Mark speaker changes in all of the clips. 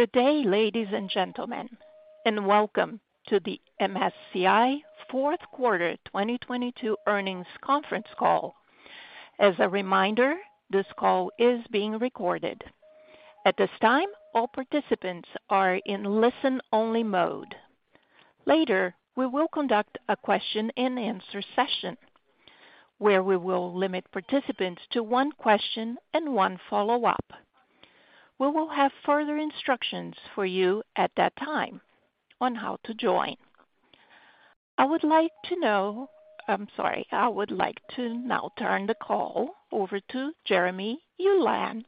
Speaker 1: Good day, ladies and gentlemen, and welcome to the MSCI Q4 2022 Earnings Conference Call. As a reminder, this call is being recorded. At this time, all participants are in listen-only mode. Later, we will conduct a question and answer session, where we will limit participants to one question and one follow-up. We will have further instructions for you at that time on how to join. I would like to now turn the call over to Jeremy Ulan,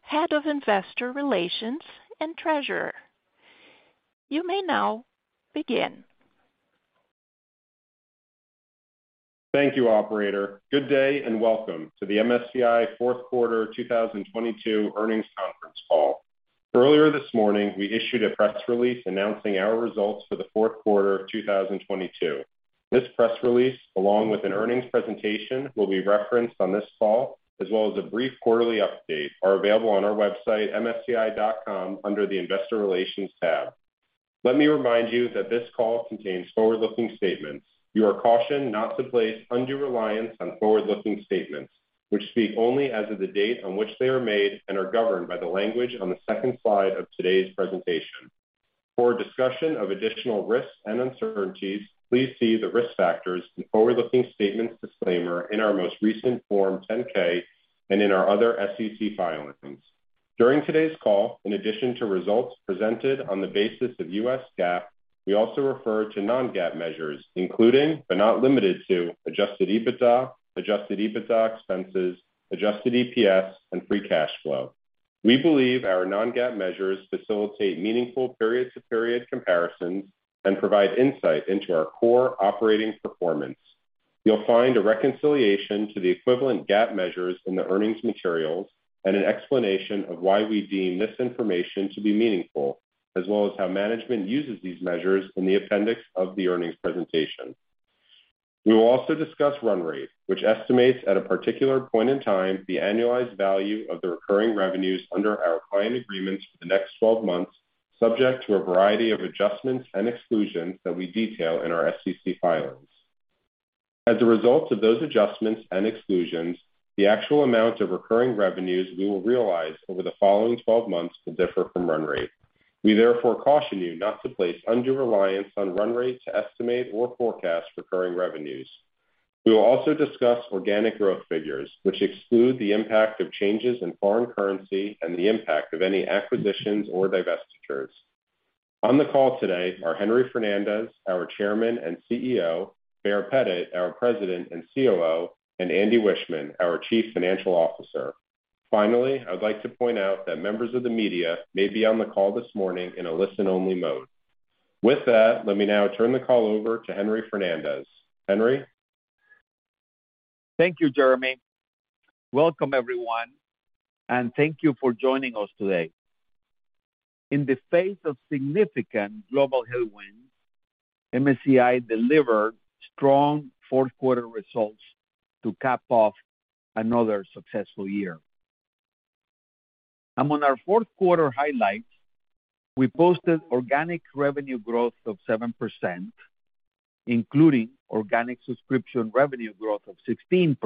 Speaker 1: Head of Investor Relations and Treasurer. You may now begin.
Speaker 2: Thank you, operator. Good day, and welcome to the MSCI Q4 2022 Earnings Conference Call. Earlier this morning, we issued a press release announcing our results for the Q4 of 2022. This press release, along with an earnings presentation, will be referenced on this call, as well as a brief quarterly update, are available on our website, msci.com, under the Investor Relations tab. Let me remind you that this call contains forward-looking statements. You are cautioned not to place undue reliance on forward-looking statements which speak only as of the date on which they are made and are governed by the language on the second slide of today's presentation. For a discussion of additional risks and uncertainties, please see the Risk Factors and Forward-Looking Statements disclaimer in our most recent Form 10-K, and in our other SEC filings. During today's call, in addition to results presented on the basis of U.S. GAAP, we also refer to non-GAAP measures, including but not limited to Adjusted EBITDA, Adjusted EBITDA expenses, Adjusted EPS, and free cash flow. We believe our non-GAAP measures facilitate meaningful period-to-period comparisons and provide insight into our core operating performance. You'll find a reconciliation to the equivalent GAAP measures in the earnings materials and an explanation of why we deem this information to be meaningful, as well as how management uses these measures in the appendix of the earnings presentation. We will also discuss run rate, which estimates at a particular point in time, the annualized value of the recurring revenues under our client agreements for the next 12 months, subject to a variety of adjustments and exclusions that we detail in our SEC filings. As a result of those adjustments and exclusions, the actual amount of recurring revenues we will realize over the following 12 months will differ from run rate. We therefore caution you not to place undue reliance on run rate to estimate or forecast recurring revenues. We will also discuss organic growth figures, which exclude the impact of changes in foreign currency and the impact of any acquisitions or divestitures. On the call today are Henry Fernandez, our Chairman and CEO, Baer Pettit, our President and COO, and Andrew Wiechmann, our Chief Financial Officer. I would like to point out that members of the media may be on the call this morning in a listen-only mode. Let me now turn the call over to Henry Fernandez. Henry.
Speaker 3: Thank you, Jeremy. Welcome, everyone, and thank you for joining us today. In the face of significant global headwinds, MSCI delivered strong Q4 results to cap off another successful year. Among our Q4 highlights, we posted organic revenue growth of 7%, including organic subscription revenue growth of 16%,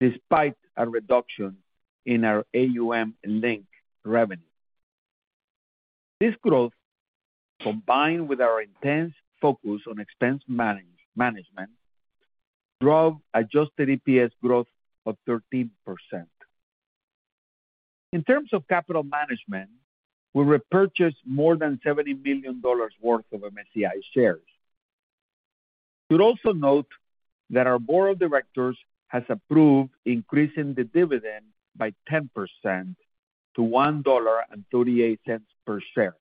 Speaker 3: despite a reduction in our AUM and link revenue. This growth, combined with our intense focus on expense management, drove Adjusted EPS growth of 13%. In terms of capital management, we repurchased more than $70 million worth of MSCI shares. You'll also note that our board of directors has approved increasing the dividend by 10% to $1.38 per share.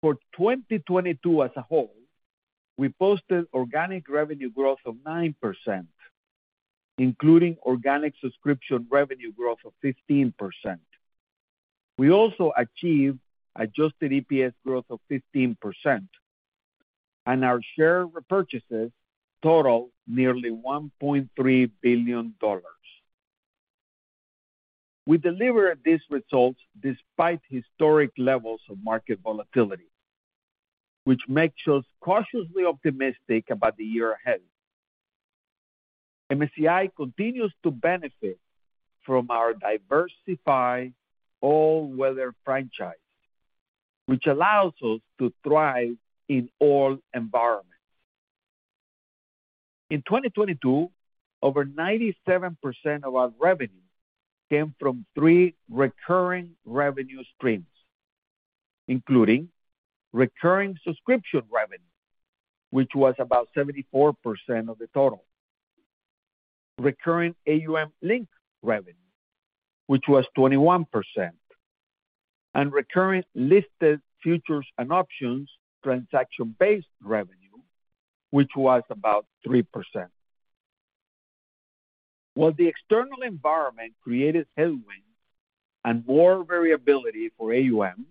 Speaker 3: For 2022 as a whole, we posted organic revenue growth of 9%, including organic subscription revenue growth of 15%. We also achieved Adjusted EPS growth of 15%, our share repurchases totalled nearly $1.3 billion. We delivered these results despite historic levels of market volatility, which makes us cautiously optimistic about the year ahead. MSCI continues to benefit from our diversified all-weather franchise, which allows us to thrive in all environments. In 2022, over 97% of our revenue came from three recurring revenue streams, including recurring subscription revenue, which was about 74% of the total. Recurring AUM link revenue, which was 21%. Recurring listed futures and options transaction-based revenue, which was about 3%. While the external environment created headwinds and more variability for AUM.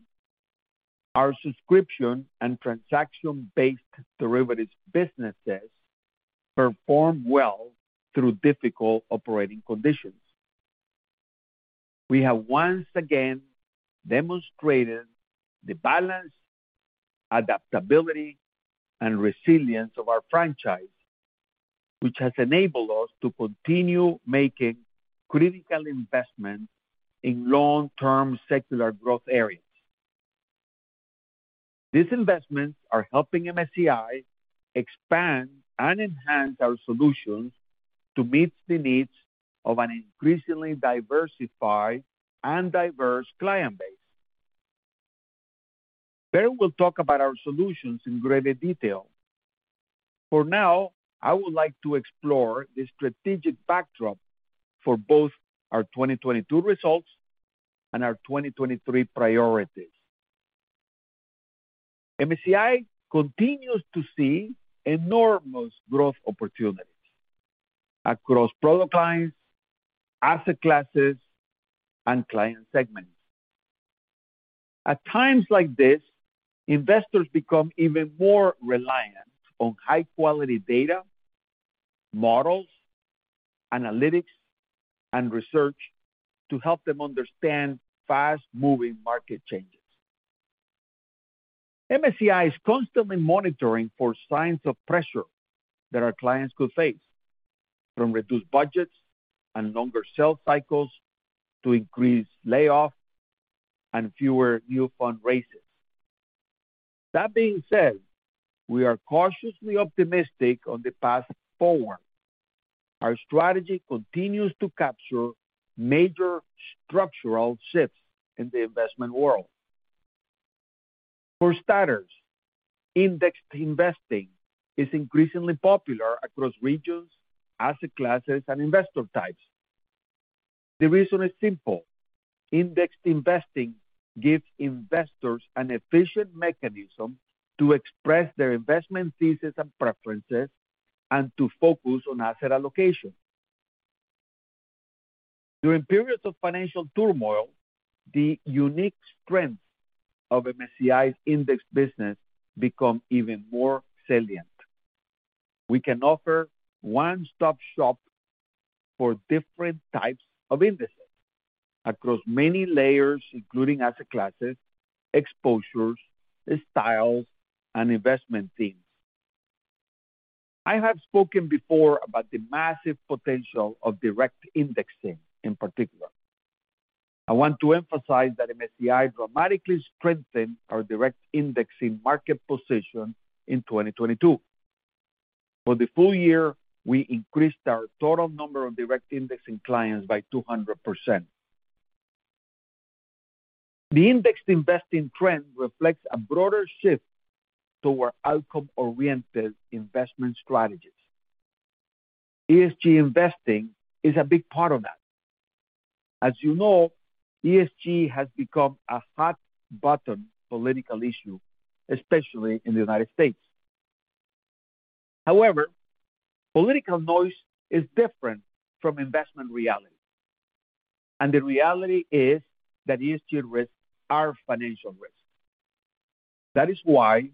Speaker 3: Our subscription and transaction-based derivatives businesses performed well through difficult operating conditions. We have once again demonstrated the balance, adaptability, and resilience of our franchise, which has enabled us to continue making critical investments in long-term secular growth areas. These investments are helping MSCI expand and enhance our solutions to meet the needs of an increasingly diversified and diverse client base. We'll talk about our solutions in greater detail. For now, I would like to explore the strategic backdrop for both our 2022 results and our 2023 priorities. MSCI continues to see enormous growth opportunities across product lines, asset classes, and client segments. At times like this, investors become even more reliant on high-quality data, models, analytics, and research to help them understand fast-moving market changes. MSCI is constantly monitoring for signs of pressure that our clients could face, from reduced budgets and longer sales cycles to increased layoffs and fewer new fund raises. That being said, we are cautiously optimistic on the path forward. Our strategy continues to capture major structural shifts in the investment world. For starters, indexed investing is increasingly popular across regions, asset classes, and investor types. The reason is simple. Indexed investing gives investors an efficient mechanism to express their investment thesis and preferences and to focus on asset allocation. During periods of financial turmoil, the unique strengths of MSCI's index business become even more salient. We can offer one-stop shop for different types of indices across many layers, including asset classes, exposures, styles, and investment themes. I have spoken before about the massive potential of direct indexing in particular. I want to emphasize that MSCI dramatically strengthened our direct indexing market position in 2022. For the full year, we increased our total number of direct indexing clients by 200%. The indexed investing trend reflects a broader shift toward outcome-oriented investment strategies. ESG investing is a big part of that. As you know, ESG has become a hot-button political issue, especially in the U.S. However, political noise is different from investment reality, and the reality is that ESG risks are financial risks. That is why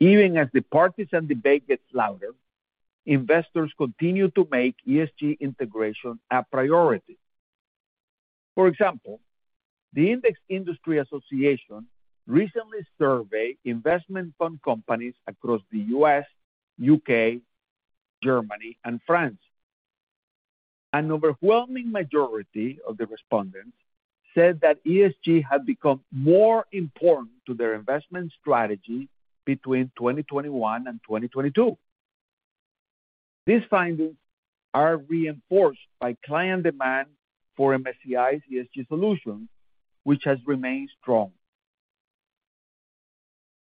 Speaker 3: even as the partisan debate gets louder, investors continue to make ESG integration a priority. For example, the Index Industry Association recently surveyed investment fund companies across the U.S., U.K., Germany, and France. An overwhelming majority of the respondents said that ESG had become more important to their investment strategy between 2021 and 2022. These findings are reinforced by client demand for MSCI's ESG solutions, which has remained strong.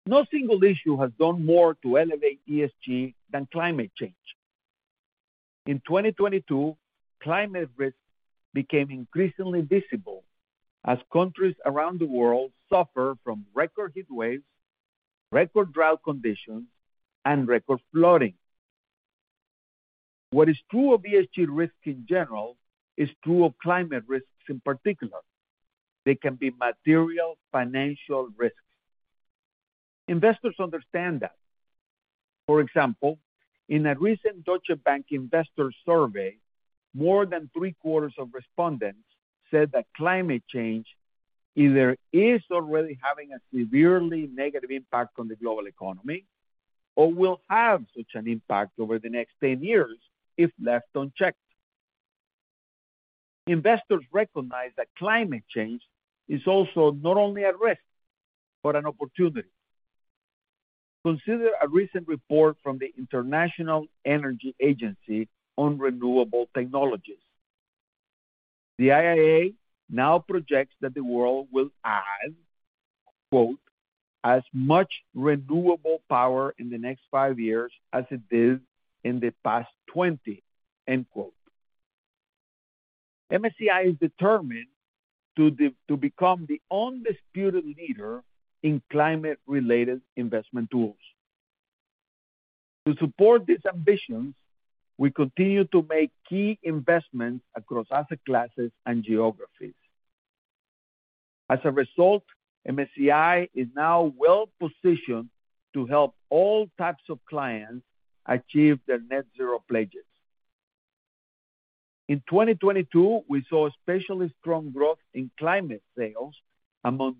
Speaker 3: No single issue has done more to elevate ESG than climate change. In 2022, climate risks became increasingly visible as countries around the world suffer from record heat waves, record drought conditions, and record flooding. What is true of ESG risks in general is true of climate risks in particular. They can be material financial risks. Investors understand that. For example, in a recent Deutsche Bank investor survey, more than three-quarters of respondents said that climate change either is already having a severely negative impact on the global economy or will have such an impact over the next 10 years if left uncheck. Investors recognize that climate change is also not only a risk, but an opportunity. Consider a recent report from the International Energy Agency on renewable technologies. The IEA now projects that the world will add, quote, as much renewable power in the next five years as it did in the past 20, end quote. MSCI is determined to become the undisputed leader in climate-related investment tools. To support these ambitions, we continue to make key investments across asset classes and geographies. As a result, MSCI is now well-positioned to help all types of clients achieve their net zero pledges. In 2022, we saw especially strong growth in climate sales among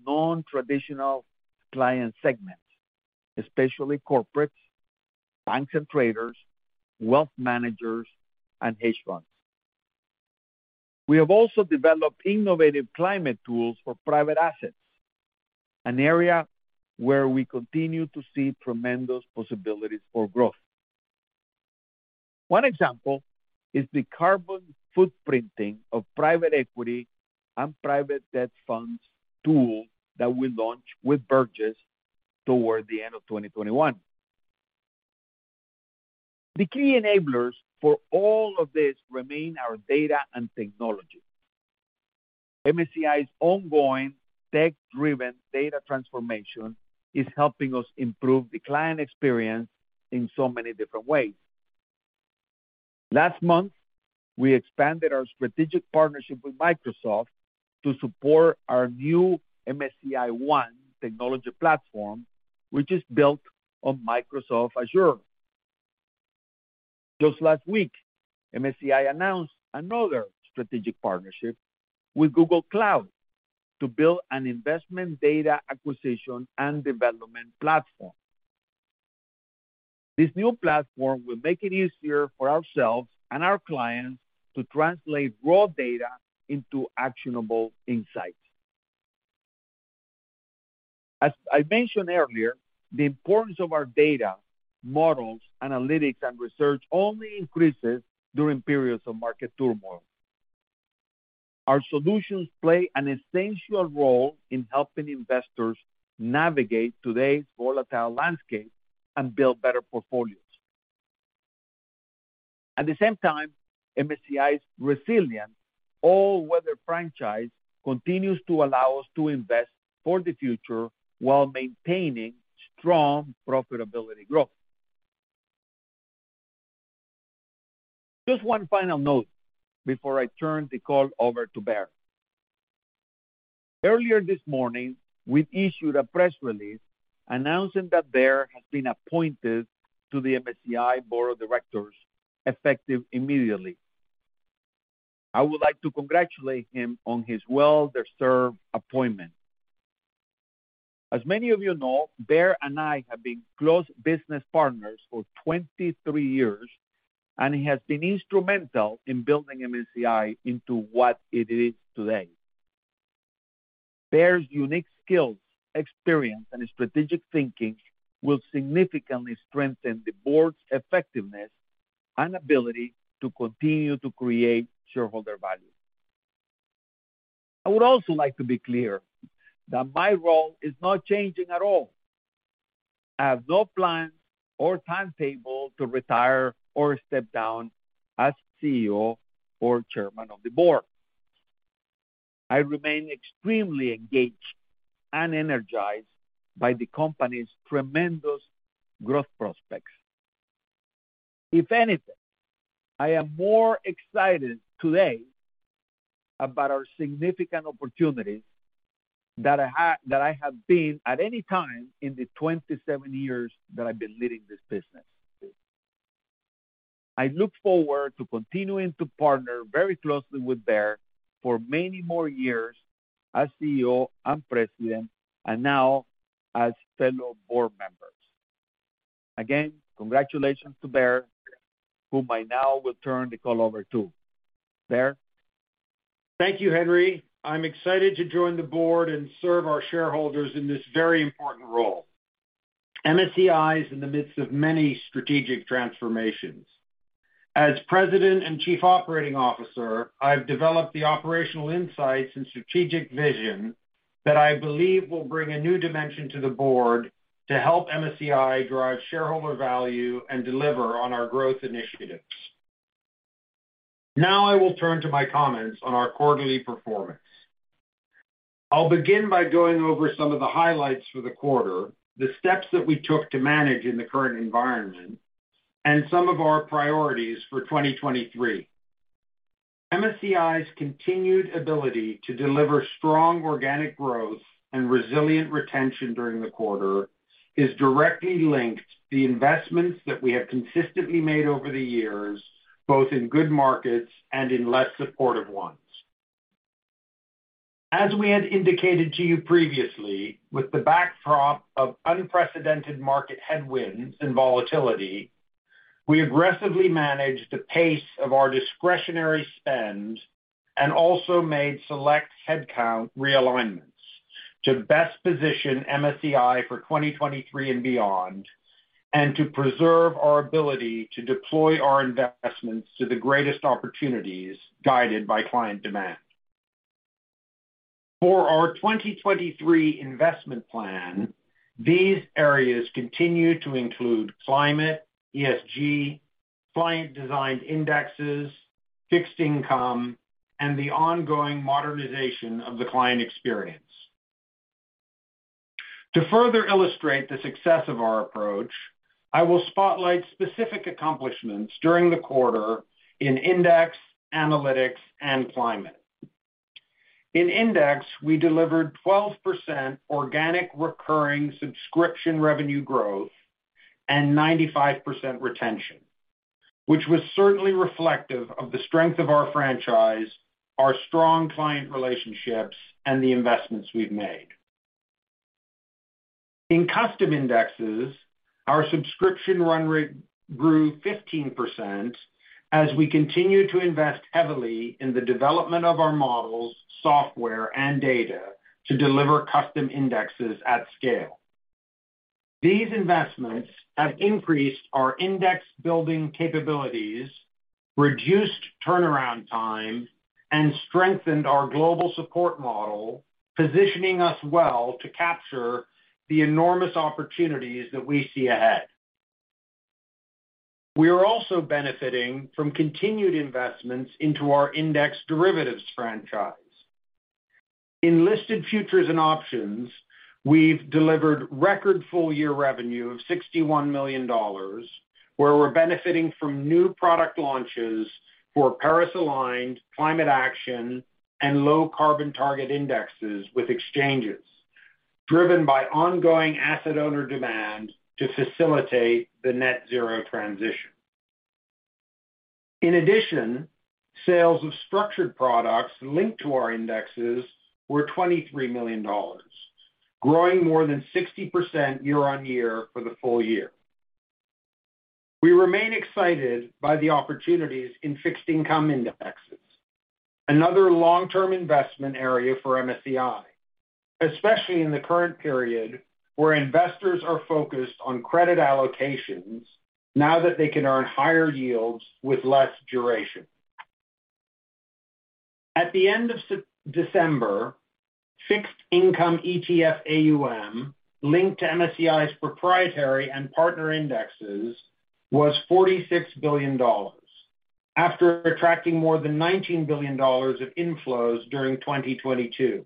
Speaker 3: non-traditional client segments, especially corporates, banks and traders, wealth managers, and hedge funds. We have also developed innovative climate tools for private assets, an area where we continue to see tremendous possibilities for growth. One example is the Carbon footprinting of private equity and private debt funds tool that we launched with Burgiss toward the end of 2021. The key enablers for all of this remain our data and technology. MSCI's ongoing tech-driven data transformation is helping us improve the client experience in so many different ways. Last month, we expanded our strategic partnership with Microsoft to support our new MSCI One technology platform, which is built on Microsoft Azure. Just last week, MSCI announced another strategic partnership with Google Cloud to build an investment data acquisition and development platform. This new platform will make it easier for ourselves and our clients to translate raw data into actionable insights. As I mentioned earlier, the importance of our data, models, analytics, and research only increases during periods of market turmoil. Our solutions play an essential role in helping investors navigate today's volatile landscape and build better portfolios. At the same time, MSCI's resilient all-weather franchise continues to allow us to invest for the future while maintaining strong profitability growth. Just one final note before I turn the call over to Baer. Earlier this morning, we issued a press release announcing that Baer has been appointed to the MSCI board of directors effective immediately. I would like to congratulate him on his well-deserved appointment. As many of you know, Baer and I have been close business partners for 23 years, and he has been instrumental in building MSCI into what it is today. Baer's unique skills, experience, and strategic thinking will significantly strengthen the board's effectiveness and ability to continue to create shareholder value. I would also like to be clear that my role is not changing at all. I have no plans or timetable to retire or step down as CEO or chairman of the board. I remain extremely engaged and energized by the company's tremendous growth prospects. If anything, I am more excited today about our significant opportunities that I have been at any time in the 27 years that I've been leading this business. I look forward to continuing to partner very closely with Baer for many more years as CEO and President, and now as fellow board members. Again, congratulations to Baer, whom I now will turn the call over to. Baer?
Speaker 4: Thank you, Henry. I'm excited to join the board and serve our shareholders in this very important role. MSCI is in the midst of many strategic transformations. As President and Chief Operating Officer, I've developed the operational insights and strategic vision that I believe will bring a new dimension to the board to help MSCI drive shareholder value and deliver on our growth initiatives. I will turn to my comments on our quarterly performance. I'll begin by going over some of the highlights for the quarter, the steps that we took to manage in the current environment, and some of our priorities for 2023. MSCI's continued ability to deliver strong organic growth and resilient retention during the quarter is directly linked to the investments that we have consistently made over the years, both in good markets and in less supportive ones. As we had indicated to you previously, with the backdrop of unprecedented market headwinds and volatility, we aggressively managed the pace of our discretionary spend and also made select headcount realignments to best position MSCI for 2023 and beyond, and to preserve our ability to deploy our investments to the greatest opportunities guided by client demand. For our 2023 investment plan, these areas continue to include climate, ESG, client-designed indexes, fixed income, and the ongoing modernization of the client experience. To further illustrate the success of our approach, I will spotlight specific accomplishments during the quarter in index, analytics, and climate. In index, we delivered 12% organic recurring subscription revenue growth and 95% retention, which was certainly reflective of the strength of our franchise, our strong client relationships, and the investments we've made. In custom indexes, our subscription run rate grew 15% as we continue to invest heavily in the development of our models, software, and data to deliver custom indexes at scale. These investments have increased our index building capabilities, reduced turnaround time, and strengthened our global support model, positioning us well to capture the enormous opportunities that we see ahead. We are also benefiting from continued investments into our index derivatives franchise. In listed futures and options, we've delivered record full-year revenue of $61 million, where we're benefiting from new product launches for Paris-aligned climate action and low carbon target indexes with exchanges, driven by ongoing asset owner demand to facilitate the net zero transition. In addition, sales of structured products linked to our indexes were $23 million, growing more than 60% year-on-year for the full year. We remain excited by the opportunities in fixed income indexes, another long-term investment area for MSCI, especially in the current period where investors are focused on credit allocations now that they can earn higher yields with less duration. At the end of December, fixed income ETF AUM linked to MSCI's proprietary and partner indexes was $46 billion after attracting more than $19 billion of inflows during 2022.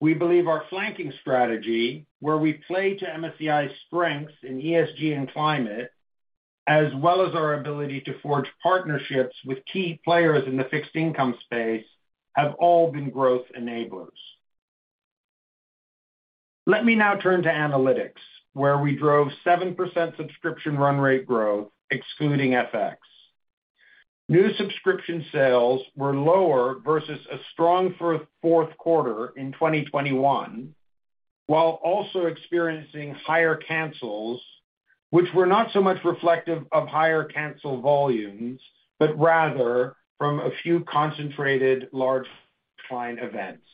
Speaker 4: We believe our flanking strategy, where we play to MSCI's strengths in ESG and climate, as well as our ability to forge partnerships with key players in the fixed income space, have all been growth enablers. Let me now turn to analytics, where we drove 7% subscription run rate growth excluding FX. New subscription sales were lower versus a strong Q4 in 2021, while also experiencing higher cancels, which were not so much reflective of higher cancel volumes, but rather from a few concentrated large client events.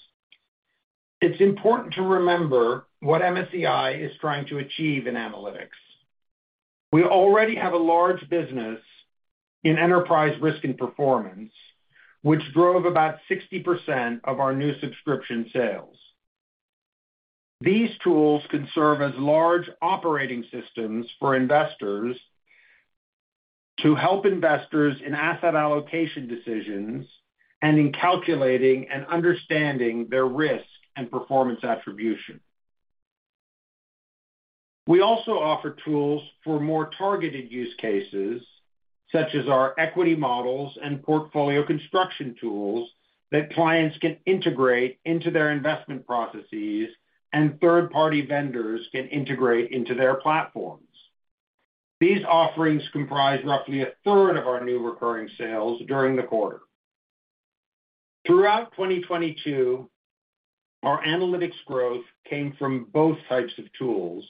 Speaker 4: It's important to remember what MSCI is trying to achieve in analytics. We already have a large business in enterprise risk and performance, which drove about 60% of our new subscription sales. These tools can serve as large operating systems for investors to help investors in asset allocation decisions and in calculating and understanding their risk and performance attribution. We also offer tools for more targeted use cases, such as our equity models and portfolio construction tools that clients can integrate into their investment processes and third-party vendors can integrate into their platforms. These offerings comprise roughly a third of our new recurring sales during the quarter. Throughout 2022, our analytics growth came from both types of tools.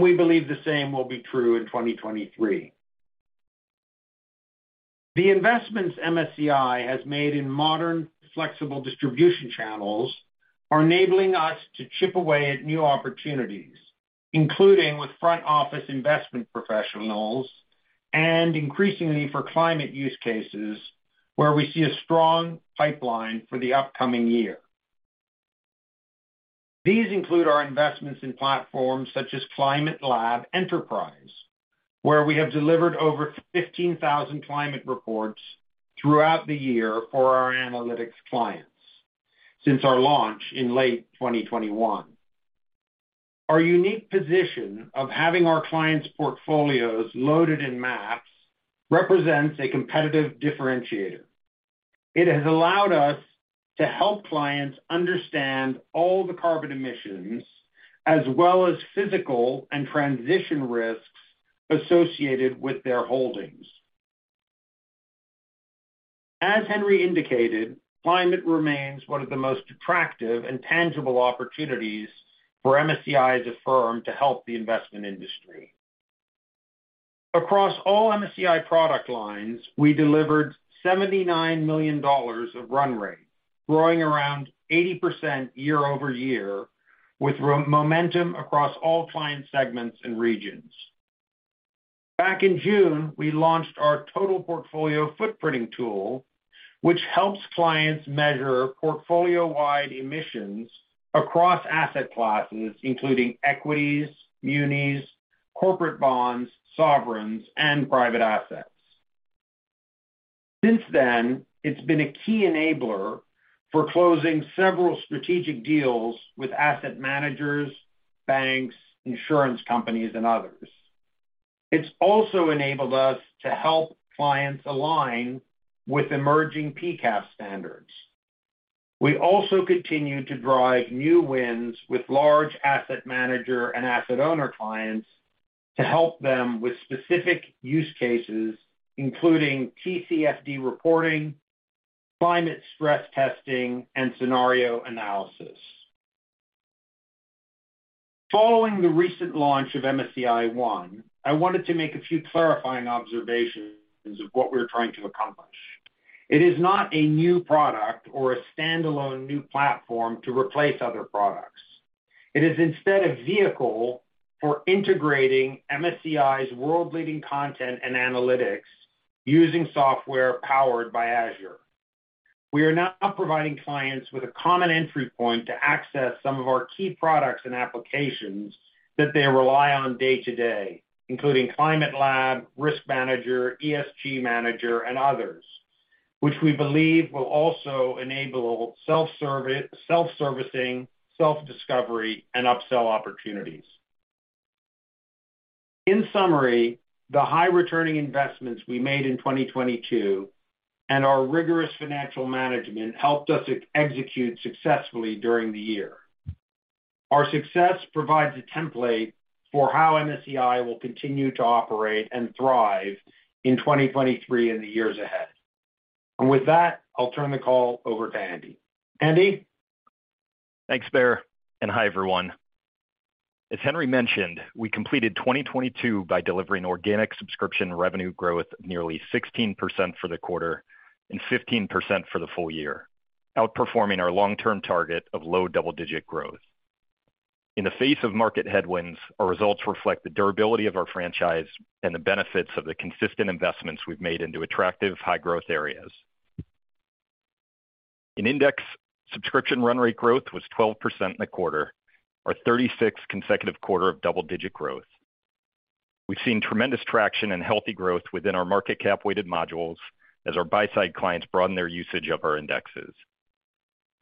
Speaker 4: We believe the same will be true in 2023. The investments MSCI has made in modern, flexible distribution channels are enabling us to chip away at new opportunities, including with front office investment professionals and increasingly for climate use cases where we see a strong pipeline for the upcoming year. These include our investments in platforms such as Climate Lab Enterprise, where we have delivered over 15,000 climate reports throughout the year for our analytics clients since our launch in late 2021. Our unique position of having our clients' portfolios loaded in MAPS represents a competitive differentiator. It has allowed us to help clients understand all the carbon emissions as well as physical and transition risks associated with their holdings. As Henry indicated, climate remains one of the most attractive and tangible opportunities for MSCI as a firm to help the investment industry. Across all MSCI product lines, we delivered $79 million of run rate, growing around 80% year-over-year, with momentum across all client segments and regions. Back in June, we launched our total portfolio footprinting tool, which helps clients measure portfolio-wide emissions across asset classes, including equities, munis, corporate bonds, sovereigns, and private assets. Since then, it's been a key enabler for closing several strategic deals with asset managers, banks, insurance companies, and others. It's also enabled us to help clients align with emerging PCAF standards. We also continue to drive new wins with large asset manager and asset owner clients to help them with specific use cases, including TCFD reporting, climate stress testing, and scenario analysis. Following the recent launch of MSCI One, I wanted to make a few clarifying observations of what we're trying to accomplish. It is not a new product or a standalone new platform to replace other products. It is instead a vehicle for integrating MSCI's world-leading content and analytics using software powered by Azure. We are now providing clients with a common entry point to access some of our key products and applications that they rely on day-to-day, including Climate Lab, Risk Manager, ESG Manager, and others, which we believe will also enable self-servicing, self-discovery, and upsell opportunities. The high returning investments we made in 2022 and our rigorous financial management helped us execute successfully during the year. Our success provides a template for how MSCI will continue to operate and thrive in 2023 and the years ahead. With that, I'll turn the call over to Andy. Andy?
Speaker 5: Thanks, Baer, hi, everyone. As Henry mentioned, we completed 2022 by delivering organic subscription revenue growth of nearly 16% for the quarter and 15% for the full year, outperforming our long-term target of low double-digit growth. In the face of market headwinds, our results reflect the durability of our franchise and the benefits of the consistent investments we've made into attractive high-growth areas. In index, subscription run rate growth was 12% in the quarter, our 36th consecutive quarter of double-digit growth. We've seen tremendous traction and healthy growth within our market cap-weighted modules as our buy-side clients broaden their usage of our indexes.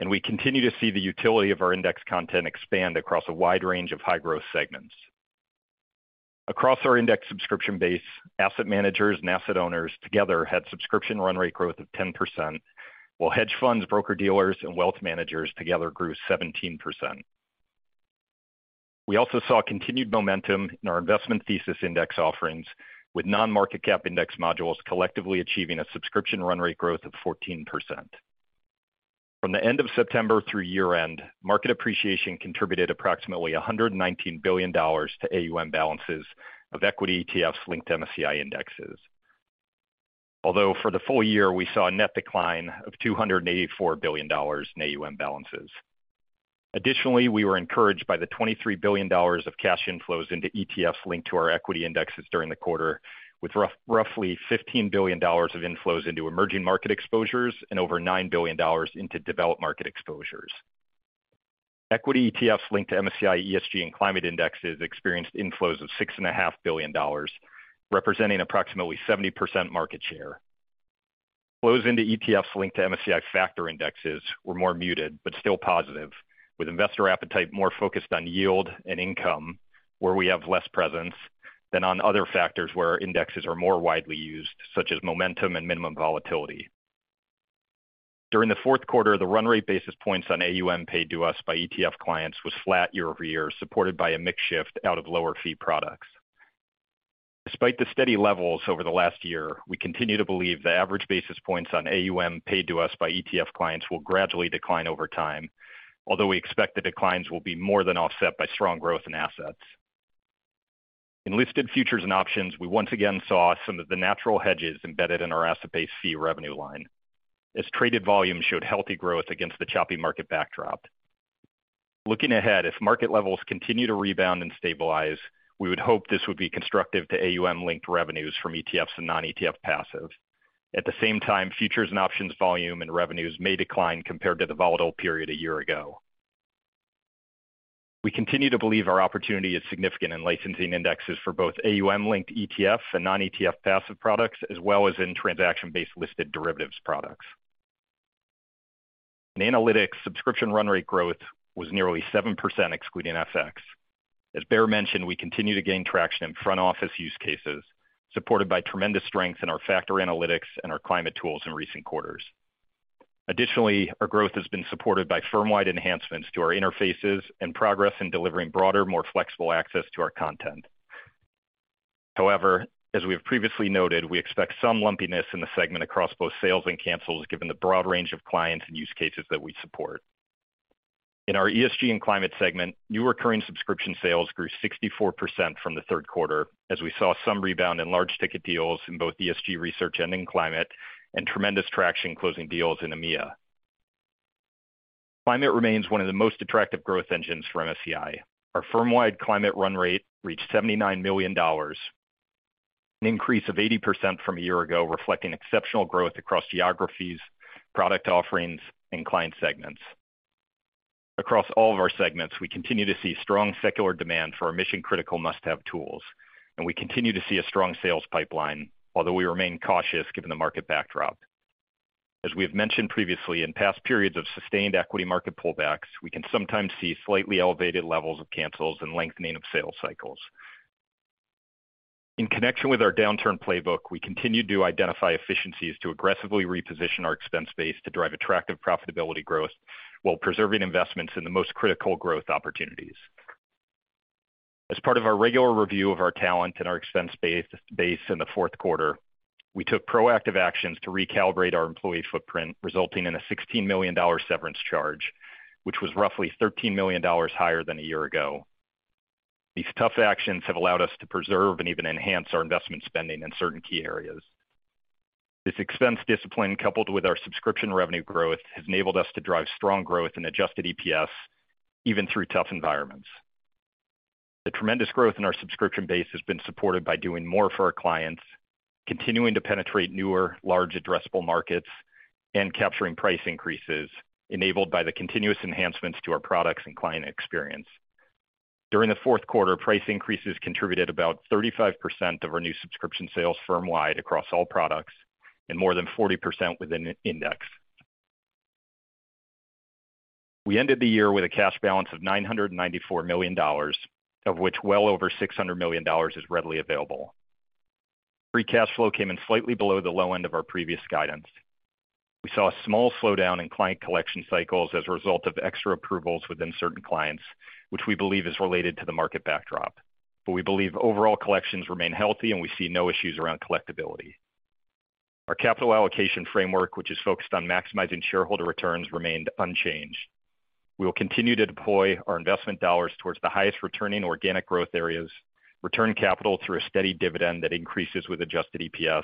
Speaker 5: We continue to see the utility of our index content expand across a wide range of high-growth segments. Across our index subscription base, asset managers and asset owners together had subscription run rate growth of 10%, while hedge funds, broker-dealers, and wealth managers together grew 17%. We also saw continued momentum in our investment thesis index offerings, with non-market cap index modules collectively achieving a subscription run rate growth of 14%. From the end of September through year-end, market appreciation contributed approximately $119 billion to AUM balances of equity ETFs linked to MSCI indexes. Although for the full year, we saw a net decline of $284 billion in AUM balances. Additionally, we were encouraged by the $23 billion of cash inflows into ETFs linked to our equity indexes during the quarter, with roughly $15 billion of inflows into emerging market exposures and over $9 billion into developed market exposures. Equity ETFs linked to MSCI ESG and climate indexes experienced inflows of $6.5 billion Representing approximately 70% market share. Flows into ETFs linked to MSCI factor indexes were more muted but still positive, with investor appetite more focused on yield and income, where we have less presence than on other factors where indexes are more widely used, such as momentum and minimum volatility. During the Q4, the run rate basis points on AUM paid to us by ETF clients was flat year-over-year, supported by a mix shift out of lower fee products. Despite the steady levels over the last year, we continue to believe the average basis points on AUM paid to us by ETF clients will gradually decline over time, although we expect the declines will be more than offset by strong growth in assets. In listed futures and options, we once again saw some of the natural hedges embedded in our asset base fee revenue line, as traded volume showed healthy growth against the choppy market backdrop. Looking ahead, if market levels continue to rebound and stabilize, we would hope this would be constructive to AUM-linked revenues from ETFs and non-ETF passive. At the same time, futures and options volume and revenues may decline compared to the volatile period a year ago. We continue to believe our opportunity is significant in licensing indexes for both AUM-linked ETF and non-ETF passive products, as well as in transaction-based listed derivatives products. In analytics, subscription run rate growth was nearly 7% excluding FX. As Baer mentioned, we continue to gain traction in front office use cases, supported by tremendous strength in our factor analytics and our climate tools in recent quarters. Additionally, our growth has been supported by firm-wide enhancements to our interfaces and progress in delivering broader, more flexible access to our content. However, as we have previously noted, we expect some lumpiness in the segment across both sales and cancels, given the broad range of clients and use cases that we support. In our ESG and climate segment, new recurring subscription sales grew 64% from the Q3, as we saw some rebound in large ticket deals in both ESG research and in climate and tremendous traction closing deals in EMEA. Climate remains one of the most attractive growth engines for MSCI. Our firm-wide climate run rate reached $79 million, an increase of 80% from a year ago, reflecting exceptional growth across geographies, product offerings, and client segments. Across all of our segments, we continue to see strong secular demand for our mission-critical must-have tools, and we continue to see a strong sales pipeline, although we remain cautious given the market backdrop. As we have mentioned previously, in past periods of sustained equity market pullbacks, we can sometimes see slightly elevated levels of cancels and lengthening of sales cycles. In connection with our downturn playbook, we continue to identify efficiencies to aggressively reposition our expense base to drive attractive profitability growth while preserving investments in the most critical growth opportunities. As part of our regular review of our talent and our expense base in the Q4, we took proactive actions to recalibrate our employee footprint, resulting in a $16 million severance charge, which was roughly $13 million higher than a year ago. These tough actions have allowed us to preserve and even enhance our investment spending in certain key areas. This expense discipline, coupled with our subscription revenue growth, has enabled us to drive strong growth in Adjusted EPS even through tough environments. The tremendous growth in our subscription base has been supported by doing more for our clients, continuing to penetrate newer, large addressable markets and capturing price increases enabled by the continuous enhancements to our products and client experience. During the Q4, price increases contributed about 35% of our new subscription sales firm-wide across all products and more than 40% within Index. We ended the year with a cash balance of $994 million, of which well over $600 million is readily available. Free cash flow came in slightly below the low end of our previous guidance. We saw a small slowdown in client collection cycles as a result of extra approvals within certain clients, which we believe is related to the market backdrop. We believe overall collections remain healthy and we see no issues around collectability. Our capital allocation framework, which is focused on maximizing shareholder returns, remained unchanged. We will continue to deploy our investment dollars towards the highest returning organic growth areas, return capital through a steady dividend that increases with Adjusted EPS,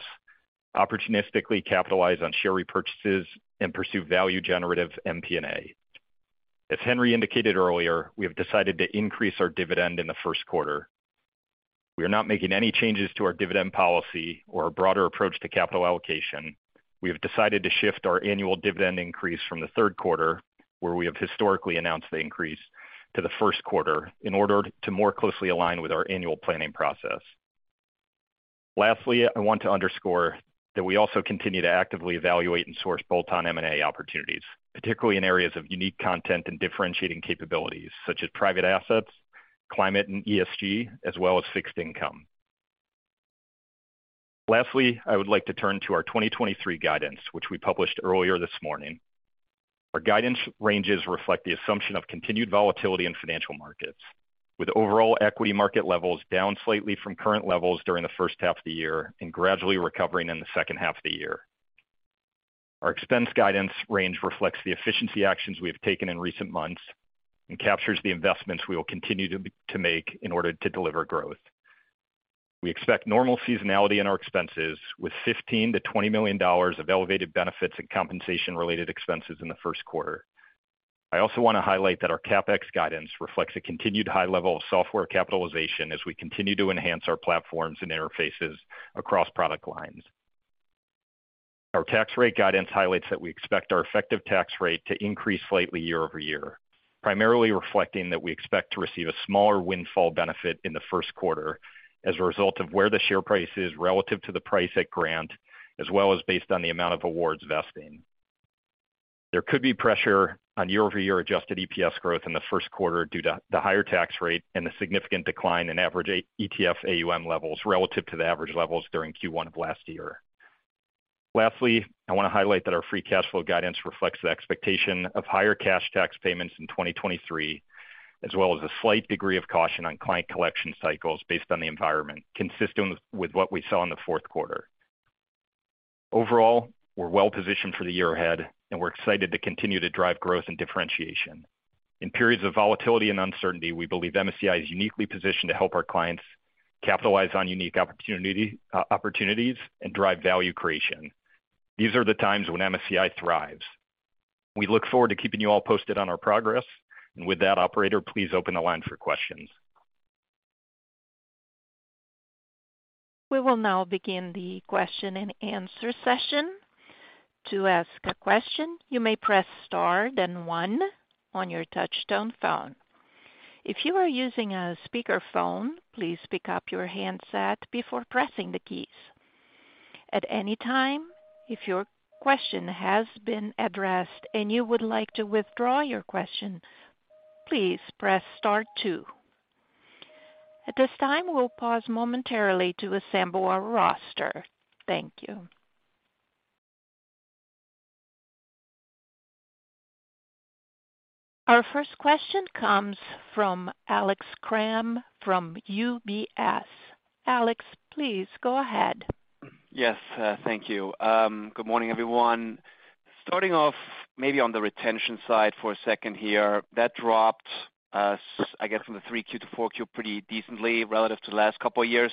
Speaker 5: opportunistically capitalize on share repurchases, and pursue value-generative M&A. As Henry indicated earlier, we have decided to increase our dividend in the Q1. We are not making any changes to our dividend policy or a broader approach to capital allocation. We have decided to shift our annual dividend increase from the Q3, where we have historically announced the increase, to the Q1 in order to more closely align with our annual planning process. Lastly, I want to underscore that we also continue to actively evaluate and source bolt-on M&A opportunities, particularly in areas of unique content and differentiating capabilities such as private assets, climate and ESG, as well as fixed income. Lastly, I would like to turn to our 2023 guidance, which we published earlier this morning. Our guidance ranges reflect the assumption of continued volatility in financial markets, with overall equity market levels down slightly from current levels during the H1 of the year and gradually recovering in the H2 of the year. Our expense guidance range reflects the efficiency actions we have taken in recent months and captures the investments we will continue to make in order to deliver growth. We expect normal seasonality in our expenses with $15 million to $20 million of elevated benefits and compensation-related expenses in the Q1. I also want to highlight that our CapEx guidance reflects a continued high level of software capitalization as we continue to enhance our platforms and interfaces across product lines. Our tax rate guidance highlights that we expect our effective tax rate to increase slightly year-over-year, primarily reflecting that we expect to receive a smaller windfall benefit in the Q1 as a result of where the share price is relative to the price at grant, as well as based on the amount of awards vesting. There could be pressure on year-over-year Adjusted EPS growth in the Q1 due to the higher tax rate and the significant decline in average ETF AUM levels relative to the average levels during Q1 of last year. I want to highlight that our free cash flow guidance reflects the expectation of higher cash tax payments in 2023, as well as a slight degree of caution on client collection cycles based on the environment consistent with what we saw in the Q4. Overall, we're well positioned for the year ahead, and we're excited to continue to drive growth and differentiation. In periods of volatility and uncertainty, we believe MSCI is uniquely positioned to help our clients capitalize on unique opportunities and drive value creation. These are the times when MSCI thrives. We look forward to keeping you all posted on our progress. With that, operator, please open the line for questions.
Speaker 1: We will now begin the question and answer session. To ask a question, you may press Star then one on your touchtone phone. If you are using a speakerphone, please pick up your handset before pressing the keys. At any time, if your question has been addressed and you would like to withdraw your question, please press star two. At this time, we'll pause momentarily to assemble our roster. Thank you. Our first question comes from Alex Kramm from UBS. Alex, please go ahead.
Speaker 6: Yes. Thank you. Good morning, everyone. Starting off maybe on the retention side for a second here, that dropped, I guess from the 3Q to 4Q pretty decently relative to the last couple of years.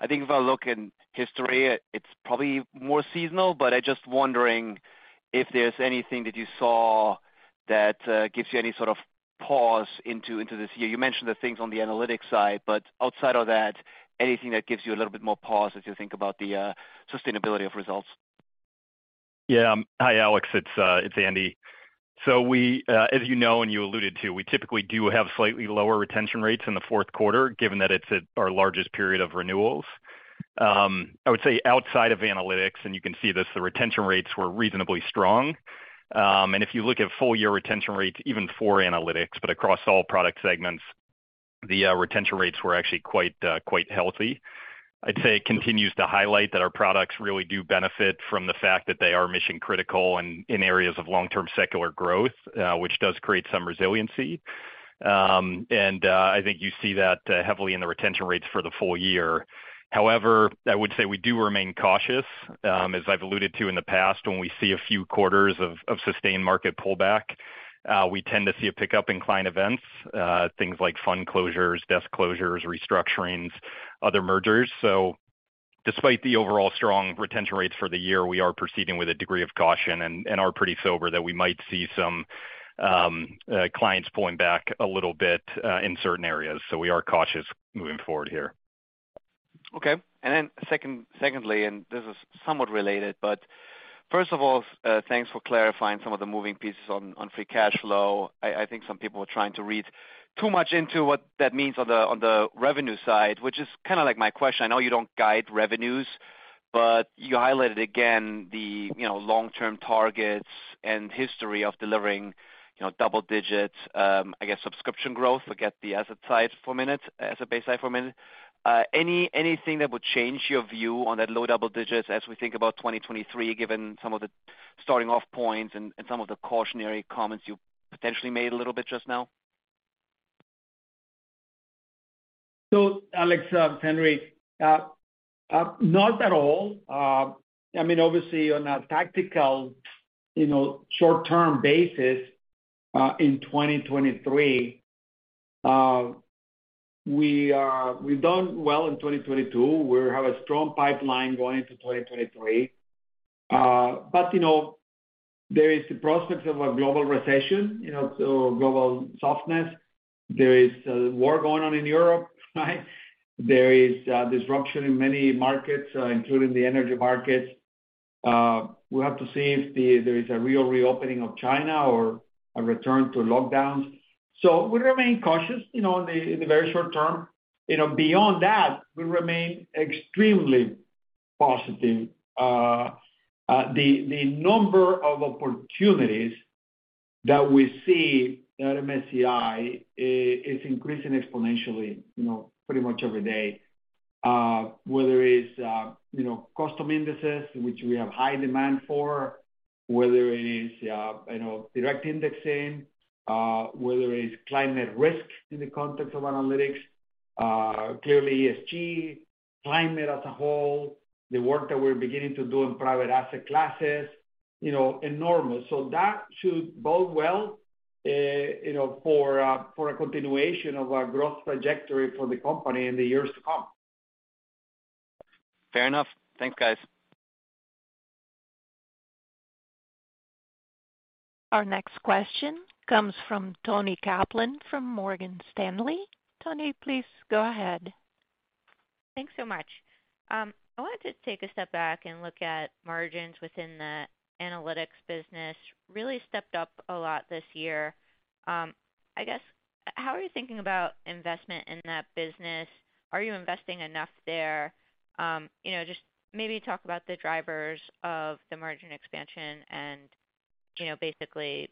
Speaker 6: I think if I look in history, it's probably more seasonal, but I just wondering if there's anything that you saw that gives you any sort of pause into this year. You mentioned the things on the analytics side, but outside of that, anything that gives you a little bit more pause as you think about the sustainability of results?
Speaker 5: Yeah. Hi, Alex, it's Andy. We, as you know, and you alluded to, we typically do have slightly lower retention rates in the Q4, given that it's at our largest period of renewals. I would say outside of analytics, you can see this, the retention rates were reasonably strong. If you look at full-year retention rates, even for analytics, but across all product segments, the retention rates were actually quite healthy. I'd say it continues to highlight that our products really do benefit from the fact that they are mission-critical and in areas of long-term secular growth, which does create some resiliency. I think you see that heavily in the retention rates for the full year. However, I would say we do remain cautious. As I've alluded to in the past, when we see a few quarters of sustained market pullback, we tend to see a pickup in client events, things like fund closures, desk closures, restructurings, other mergers. Despite the overall strong retention rates for the year, we are proceeding with a degree of caution and are pretty sober that we might see some clients pulling back a little bit in certain areas. We are cautious moving forward here.
Speaker 6: Okay. Secondly, and this is somewhat related, but first of all, thanks for clarifying some of the moving pieces on free cash flow. I think some people were trying to read too much into what that means on the revenue side, which is kind of like my question. I know you don't guide revenues, but you highlighted again the, you know, long-term targets and history of delivering, you know, double digits, I guess subscription growth. Forget the asset side for a minute, asset base side for a minute. Anything that would change your view on that low double digits as we think about 2023, given some of the starting off points and some of the cautionary comments you potentially made a little bit just now?
Speaker 3: Alex, Henry, not at all. I mean, obviously on a tactical, you know, short-term basis, in 2023, we've done well in 2022. We have a strong pipeline going into 2023. You know, there is the prospects of a global recession, you know, so global softness. There is a war going on in Europe, right? There is disruption in many markets, including the energy markets. We'll have to see if there is a real reopening of China or a return to lockdowns. We remain cautious, you know, in the very short term. You know, beyond that, we remain extremely positive. The number of opportunities that we see at MSCI is increasing exponentially, you know, pretty much every day. Whether it's, you know, custom indices, which we have high demand for, whether it is, you know, direct indexing, whether it's climate risk in the context of analytics, clearly ESG, climate as a whole, the work that we're beginning to do in private asset classes, you know, enormous. That should bode well, you know, for a continuation of our growth trajectory for the company in the years to come.
Speaker 6: Fair enough. Thanks, guys.
Speaker 1: Our next question comes from Toni Kaplan from Morgan Stanley. Toni, please go ahead.
Speaker 7: Thanks so much. I wanted to take a step back and look at margins within the analytics business. Really stepped up a lot this year. I guess, how are you thinking about investment in that business? Are you investing enough there? You know, just maybe talk about the drivers of the margin expansion and, you know, basically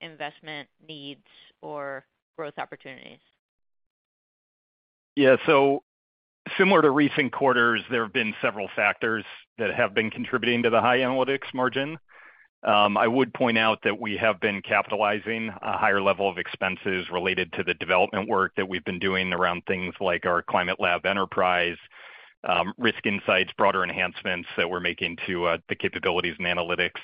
Speaker 7: investment needs or growth opportunities.
Speaker 5: Similar to recent quarters, there have been several factors that have been contributing to the high analytics margin. I would point out that we have been capitalizing a higher level of expenses related to the development work that we've been doing around things like our Climate Lab Enterprise, risk insights, broader enhancements that we're making to the capabilities and analytics.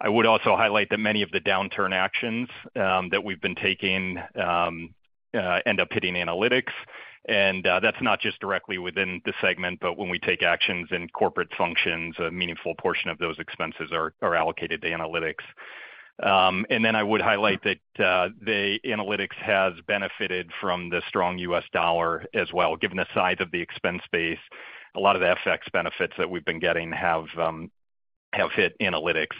Speaker 5: I would also highlight that many of the downturn actions that we've been taking end up hitting analytics. That's not just directly within the segment, but when we take actions in corporate functions, a meaningful portion of those expenses are allocated to analytics. Then I would highlight that the analytics has benefited from the strong US dollar as well. Given the size of the expense base, a lot of the FX benefits that we've been getting have hit analytics.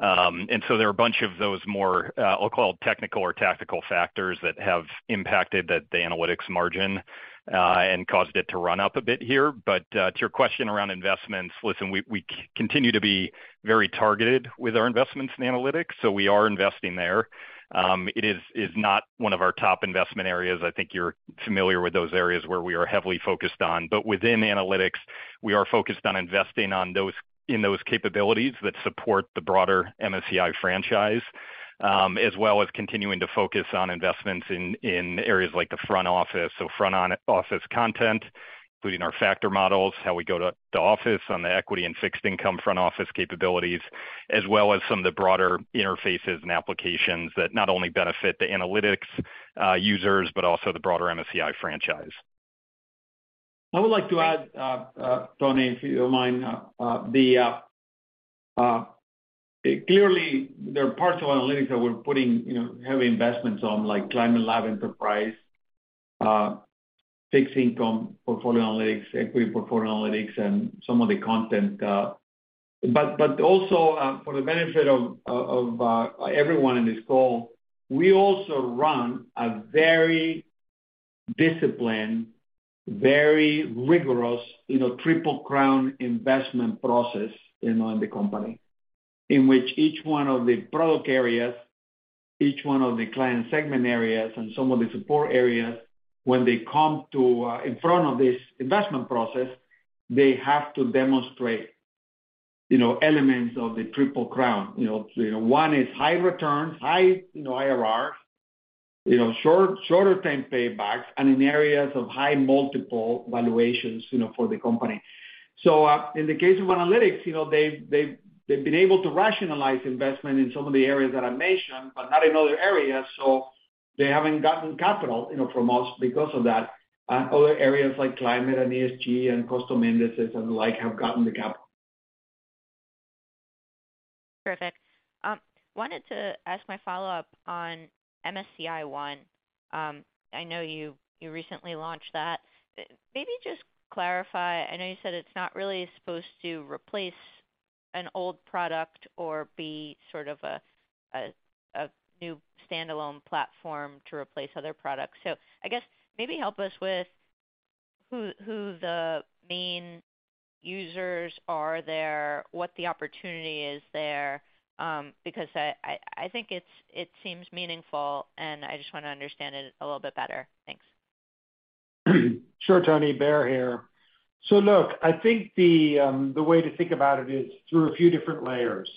Speaker 5: There are a bunch of those more, I'll call technical or tactical factors that have impacted the analytics margin and caused it to run up a bit here. To your question around investments, listen, we continue to be very targeted with our investments in analytics, so we are investing there. It's not one of our top investment areas. I think you're familiar with those areas where we are heavily focused on. Within analytics, we are focused on investing in those capabilities that support the broader MSCI franchise, as well as continuing to focus on investments in areas like the front office. Front on office content, including our factor models, how we go to office on the equity and fixed income front office capabilities, as well as some of the broader interfaces and applications that not only benefit the analytics users, but also the broader MSCI franchise.
Speaker 3: I would like to add, Toni, if you don't mind, clearly there are parts of analytics that we're putting, you know, heavy investments on, like Climate Lab Enterprise. Fixed income portfolio analytics, equity portfolio analytics, and some of the content. Also, for the benefit of everyone in this call, we also run a very disciplined, very rigorous, you know, triple crown investment process, you know, in the company. In which each one of the product areas, each one of the client segment areas and some of the support areas, when they come to in front of this investment process, they have to demonstrate, you know, elements of the triple crown. You know, one is high returns, high, you know, IRRs, shorter term paybacks, and in areas of high multiple valuations, you know, for the company. In the case of analytics, you know, they've been able to rationalize investment in some of the areas that I mentioned, but not in other areas, so they haven't gotten capital, you know, from us because of that. Other areas like climate and ESG and custom indices and the like have gotten the capital.
Speaker 7: Perfect. wanted to ask my follow-up on MSCI One. I know you recently launched that. maybe just clarify. I know you said it's not really supposed to replace an old product or be sort of a new standalone platform to replace other products. I guess maybe help us with who the main users are there, what the opportunity is there, because I think it seems meaningful, and I just wanna understand it a little bit better. Thanks.
Speaker 4: Sure, Toni. Baer here. Look, I think the way to think about it is through a few different layers.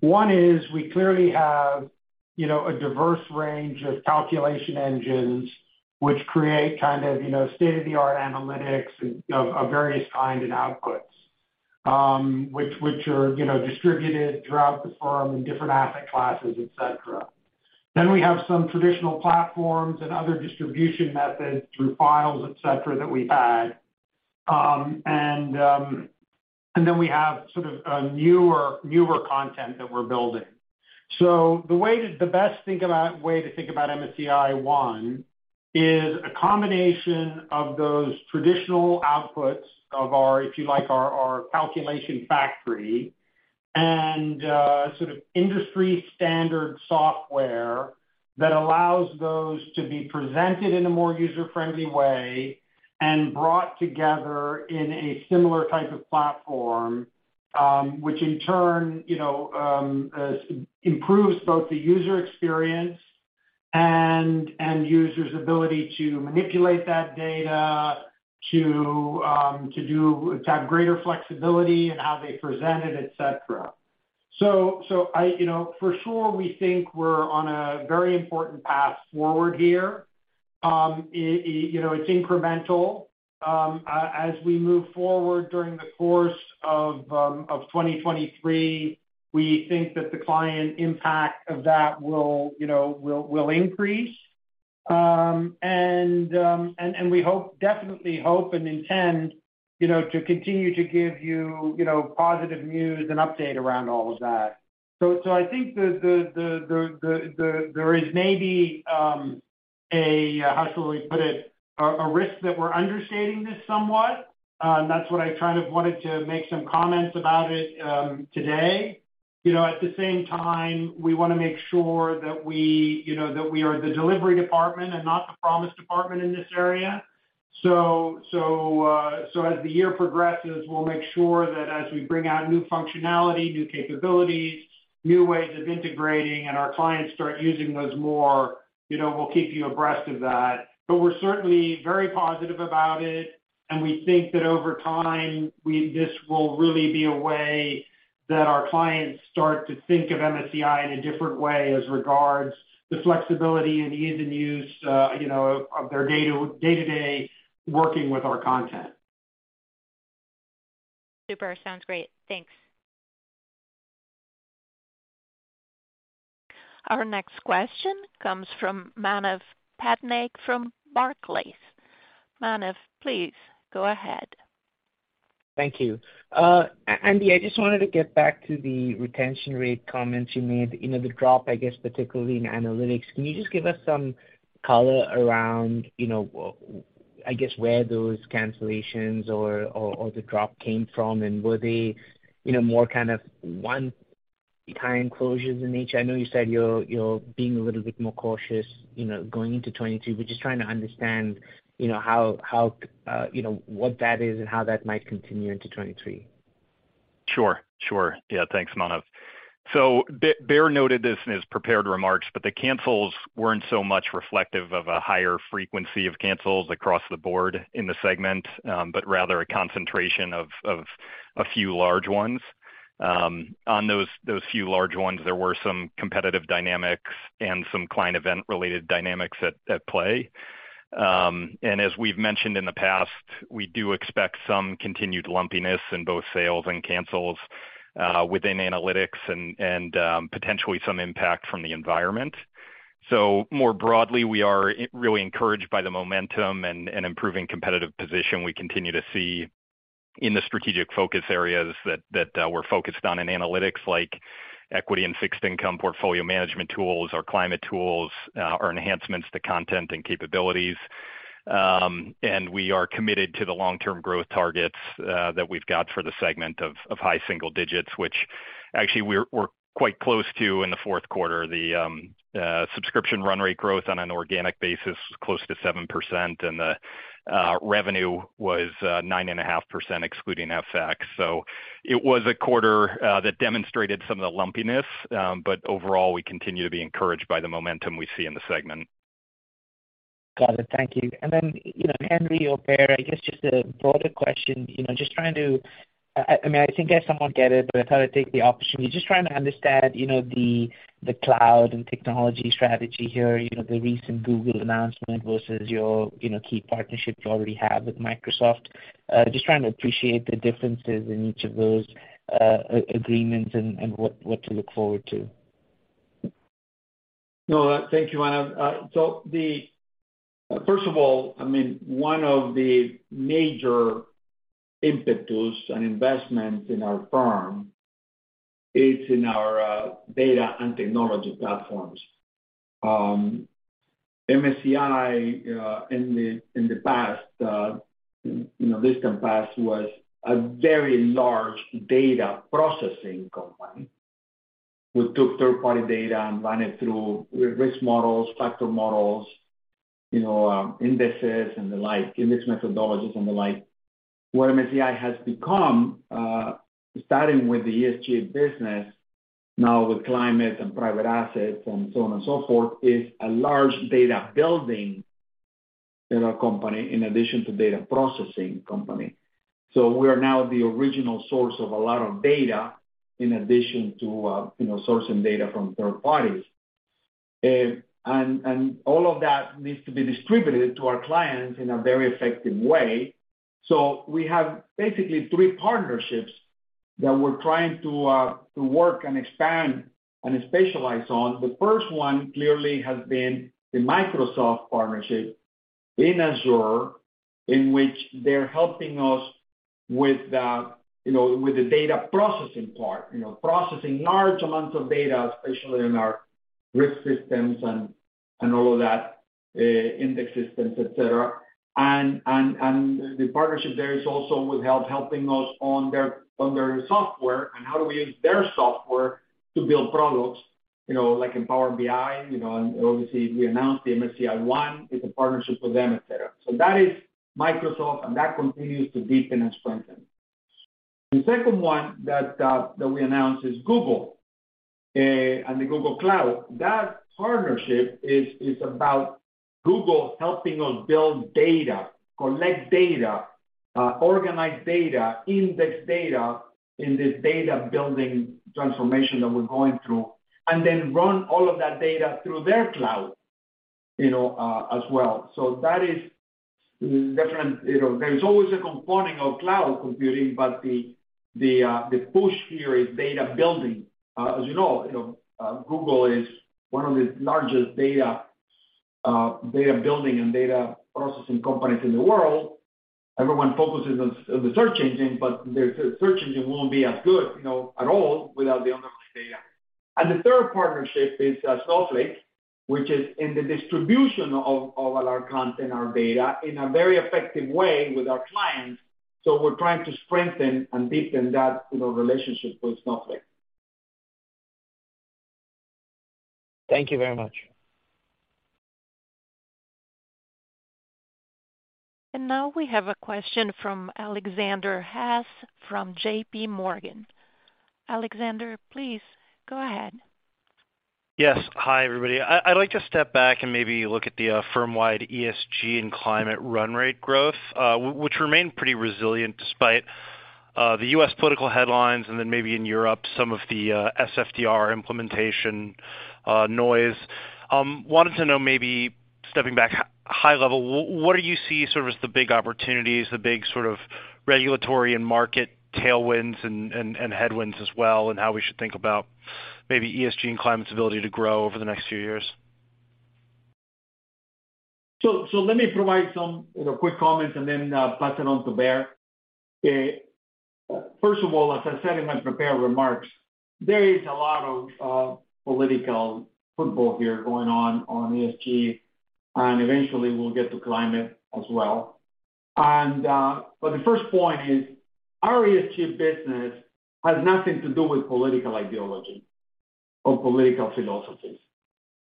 Speaker 4: One is we clearly have, you know, a diverse range of calculation engines which create kind of, you know, state-of-the-art analytics of various kind and outputs, which are, you know, distributed throughout the firm in different asset classes, et cetera. We have some traditional platforms and other distribution methods through files, et cetera, that we've had. We have sort of a newer content that we're building. The best way to think about MSCI One is a combination of those traditional outputs of our, if you like, our calculation factory and sort of industry-standard software that allows those to be presented in a more user-friendly way and brought together in a similar type of platform, which in turn, you know, improves both the user experience and end user's ability to manipulate that data to have greater flexibility in how they present it, et cetera. I, you know, for sure we think we're on a very important path forward here. You know, it's incremental. As we move forward during the course of 2023, we think that the client impact of that will, you know, will increase. We hope, definitely hope and intend, you know, to continue to give you know, positive news and update around all of that. I think there is maybe a, how shall we put it, a risk that we're understating this somewhat, and that's what I kind of wanted to make some comments about it, today. You know, at the same time, we want to make sure that we, you know, that we are the delivery department and not the promise department in this area. As the year progresses, we'll make sure that as we bring out new functionality, new capabilities, new ways of integrating, and our clients start using those more, you know, we'll keep you abreast of that. We're certainly very positive about it, and we think that over time, this will really be a way that our clients start to think of MSCI in a different way as regards the flexibility and ease and use, you know, of their day-to-day working with our content.
Speaker 7: Super. Sounds great. Thanks.
Speaker 1: Our next question comes from Manav Patnaik from Barclays. Manav, please go ahead.
Speaker 8: Thank you. Andy, I just wanted to get back to the retention rate comments you made, you know, the drop, I guess, particularly in analytics. Can you just give us some colour around, you know, I guess, where those cancellations or the drop came from, and were they, you know, more kind of one-time closures in nature? I know you said you're being a little bit more cautious, you know, going into 2022. We're just trying to understand, you know, how, you know, what that is and how that might continue into 2023.
Speaker 5: Sure. Sure. Yeah. Thanks, Manav. Bear noted this in his prepared remarks, but the cancels weren't so much reflective of a higher frequency of cancels across the board in the segment, but rather a concentration of a few large ones. On those few large ones, there were some competitive dynamics and some client event-related dynamics at play. As we've mentioned in the past, we do expect some continued lumpiness in both sales and cancels within Analytics and potentially some impact from the environment. More broadly, we are really encouraged by the momentum and improving competitive position we continue to see. In the strategic focus areas that we're focused on in analytics like equity and fixed income portfolio management tools or climate tools or enhancements to content and capabilities. We are committed to the long-term growth targets that we've got for the segment of high single digits, which actually we're quite close to in the Q4. The subscription run rate growth on an organic basis was close to 7%, and the revenue was 9.5% excluding FX. It was a quarter that demonstrated some of the lumpiness, but overall we continue to be encouraged by the momentum we see in the segment.
Speaker 8: Got it. Thank you. You know, Henry or Baer, I guess just a broader question, you know, I mean, I think I somewhat get it, but I thought I'd take the opportunity. Just trying to understand, you know, the cloud and technology strategy here, you know, the recent Google announcement versus your, you know, key partnerships you already have with Microsoft. Just trying to appreciate the differences in each of those agreements and what to look forward to?
Speaker 3: Thank you, Manav. First of all, I mean, one of the major impetus and investment in our firm is in our data and technology platforms. MSCI, in the past, you know, distant past, was a very large data processing company. We took third-party data and ran it through risk models, factor models, you know, indexes and the like, index methodologies and the like. What MSCI has become, starting with the ESG business, now with climate and private assets and so on and so forth, is a large data building in our company in addition to data processing company. We are now the original source of a lot of data in addition to, you know, sourcing data from third parties. All of that needs to be distributed to our clients in a very effective way. We have basically three partnerships that we're trying to work and expand and specialize on. The first one clearly has been the Microsoft partnership in Azure, in which they're helping us with the, you know, with the data processing part, you know, processing large amounts of data, especially in our risk systems and all of that, index systems, et cetera. The partnership there is also helping us on their software and how do we use their software to build products, you know, like in Power BI, you know. Obviously if we announce the MSCI One, it's a partnership with them, et cetera. That is Microsoft, and that continues to deepen and strengthen. The second one that we announced is Google, and the Google Cloud. That partnership is about Google helping us build data, collect data, organize data, index data in this data building transformation that we're going through, and then run all of that data through their cloud, you know, as well. That is different. You know, there's always a component of cloud computing, but the push here is data building. As you know, you know, Google is one of the largest data building and data processing companies in the world. Everyone focuses on the search engine, but their search engine won't be as good, you know, at all without the underlying data. The third partnership is Snowflake, which is in the distribution of all our content, our data, in a very effective way with our clients. We're trying to strengthen and deepen that, you know, relationship with Snowflake.
Speaker 8: Thank you very much.
Speaker 1: Now we have a question from Alexander Haas from JP Morgan. Alexander, please go ahead.
Speaker 9: Yes. Hi, everybody. I'd like to step back and maybe look at the firm-wide ESG and climate run rate growth, which remained pretty resilient despite the U.S. political headlines and then maybe in Europe some of the SFDR implementation noise. Wanted to know maybe stepping back high level, what do you see sort of as the big opportunities, the big sort of regulatory and market tailwinds and headwinds as well, and how we should think about maybe ESG and climate's ability to grow over the next few years?
Speaker 3: Let me provide some, you know, quick comments and then pass it on to Baer. First of all, as I said in my prepared remarks, there is a lot of political football here going on on ESG, and eventually we'll get to climate as well. The first point is our ESG business has nothing to do with political ideology or political philosophies.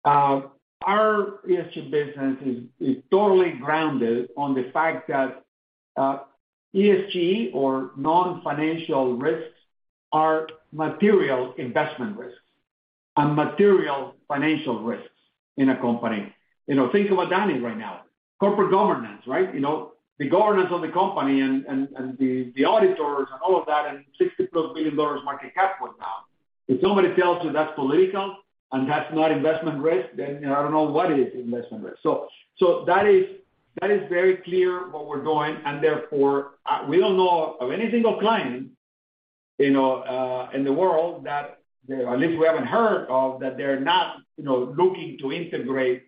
Speaker 3: Our ESG business is totally grounded on the fact that ESG or non-financial risks are material investment risks and material financial risks in a company. You know, think about Enron right now. Corporate governance, right? You know, the governance of the company and the auditors and all of that, and $60+ billion market cap right now. If somebody tells you that's political and that's not investment risk, you know, I don't know what is investment risk. That is very clear what we're doing, and therefore, we don't know of any single client. You know, in the world that at least we haven't heard of, that they're not, you know, looking to integrate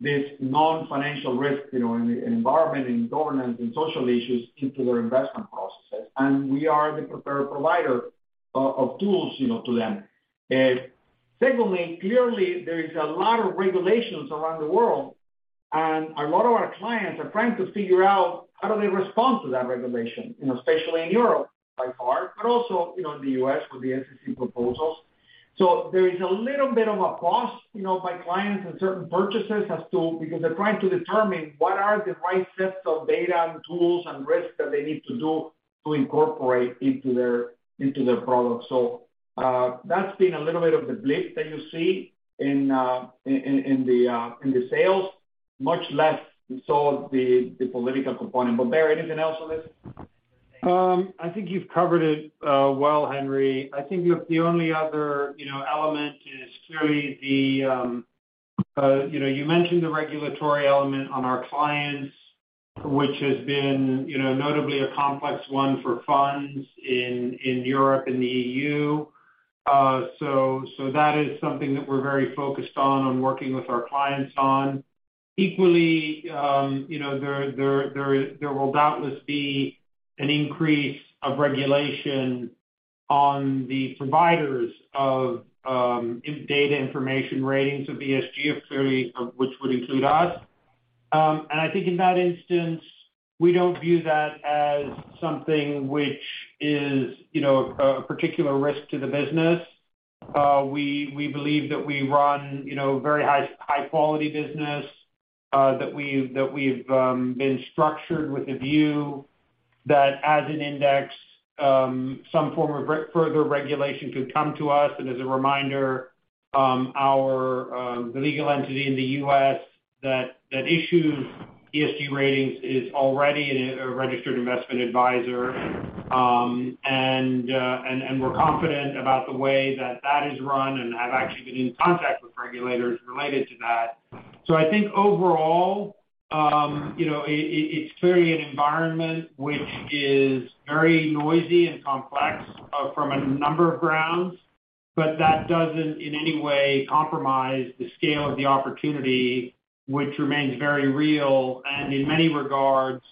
Speaker 3: this non-financial risk, you know, in the environment and governance and social issues into their investment processes. And we are the preferred provider of tools, you know, to them. Secondly, clearly there is a lot of regulations around the world, and a lot of our clients are trying to figure out how do they respond to that regulation, you know, especially in Europe by far, but also, you know, in the U.S. with the SEC proposals. There is a little bit of a pause, you know, by clients and certain purchasers as to because they're trying to determine what are the right sets of data and tools and risks that they need to do to incorporate into their products. That's been a little bit of the blip that you see in, in the, in the sales, much less so the political component. Baer, anything else on this?
Speaker 4: I think you've covered it well, Henry. I think the only other, you know, element is clearly the, you know, you mentioned the regulatory element on our clients, which has been, you know, notably a complex one for funds in Europe and the EU. That is something that we're very focused on working with our clients on. Equally, you know, there will doubtless be an increase of regulation on the providers of data information ratings of ESG, clearly of which would include us. I think in that instance, we don't view that as something which is, you know, a particular risk to the business. We believe that we run, you know, very high quality business, that we've been structured with the view that as an index, some form of further regulation could come to us. As a reminder, the legal entity in the U.S. that issues ESG ratings is already a registered investment advisor. And we're confident about the way that that is run and have actually been in contact with regulators related to that. I think overall, you know, it's clearly an environment which is very noisy and complex from a number of grounds, but that doesn't in any way compromise the scale of the opportunity, which remains very real. In many regards,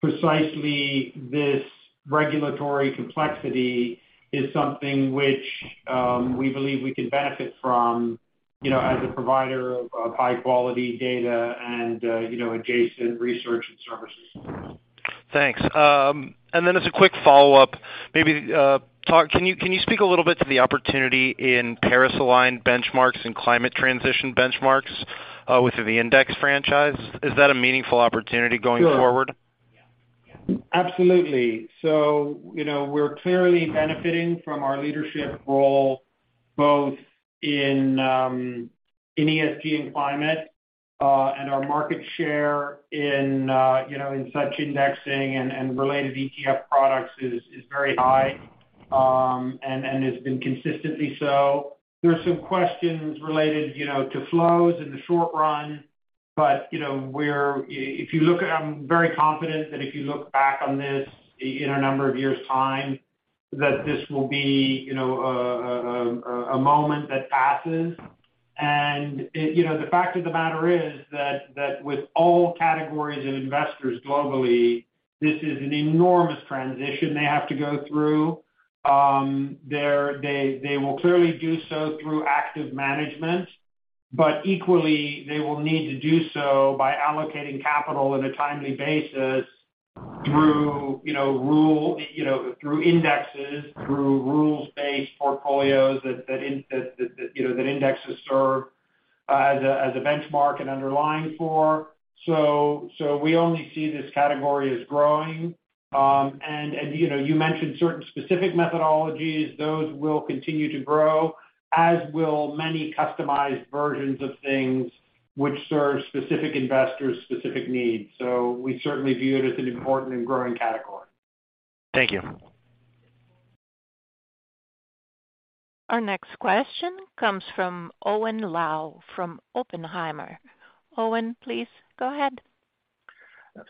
Speaker 4: precisely this regulatory complexity is something which, we believe we can benefit from, you know, as a provider of high-quality data and, you know, adjacent research and services.
Speaker 9: Thanks. As a quick follow-up, maybe, can you speak a little bit to the opportunity in Paris-aligned benchmarks and climate transition benchmarks, within the index franchise? Is that a meaningful opportunity going forward?
Speaker 4: Sure. Absolutely. You know, we're clearly benefiting from our leadership role, both in ESG and climate, and our market share in, you know, in such indexing and related ETF products is very high and has been consistently so. There are some questions related, you know, to flows in the short run, but, you know, if you look at... I'm very confident that if you look back on this in a number of years' time, that this will be, you know, a moment that passes. You know, the fact of the matter is that with all categories of investors globally, this is an enormous transition they have to go through. They will clearly do so through active management, but equally they will need to do so by allocating capital at a timely basis through, you know, rule, you know, through indexes, through rules-based portfolios that, you know, that indexes serve as a benchmark and underlying for. We only see this category as growing. You know, you mentioned certain specific methodologies. Those will continue to grow, as will many customized versions of things which serve specific investors' specific needs. We certainly view it as an important and growing category.
Speaker 9: Thank you.
Speaker 1: Our next question comes from Owen Lau from Oppenheimer. Owen, please go ahead.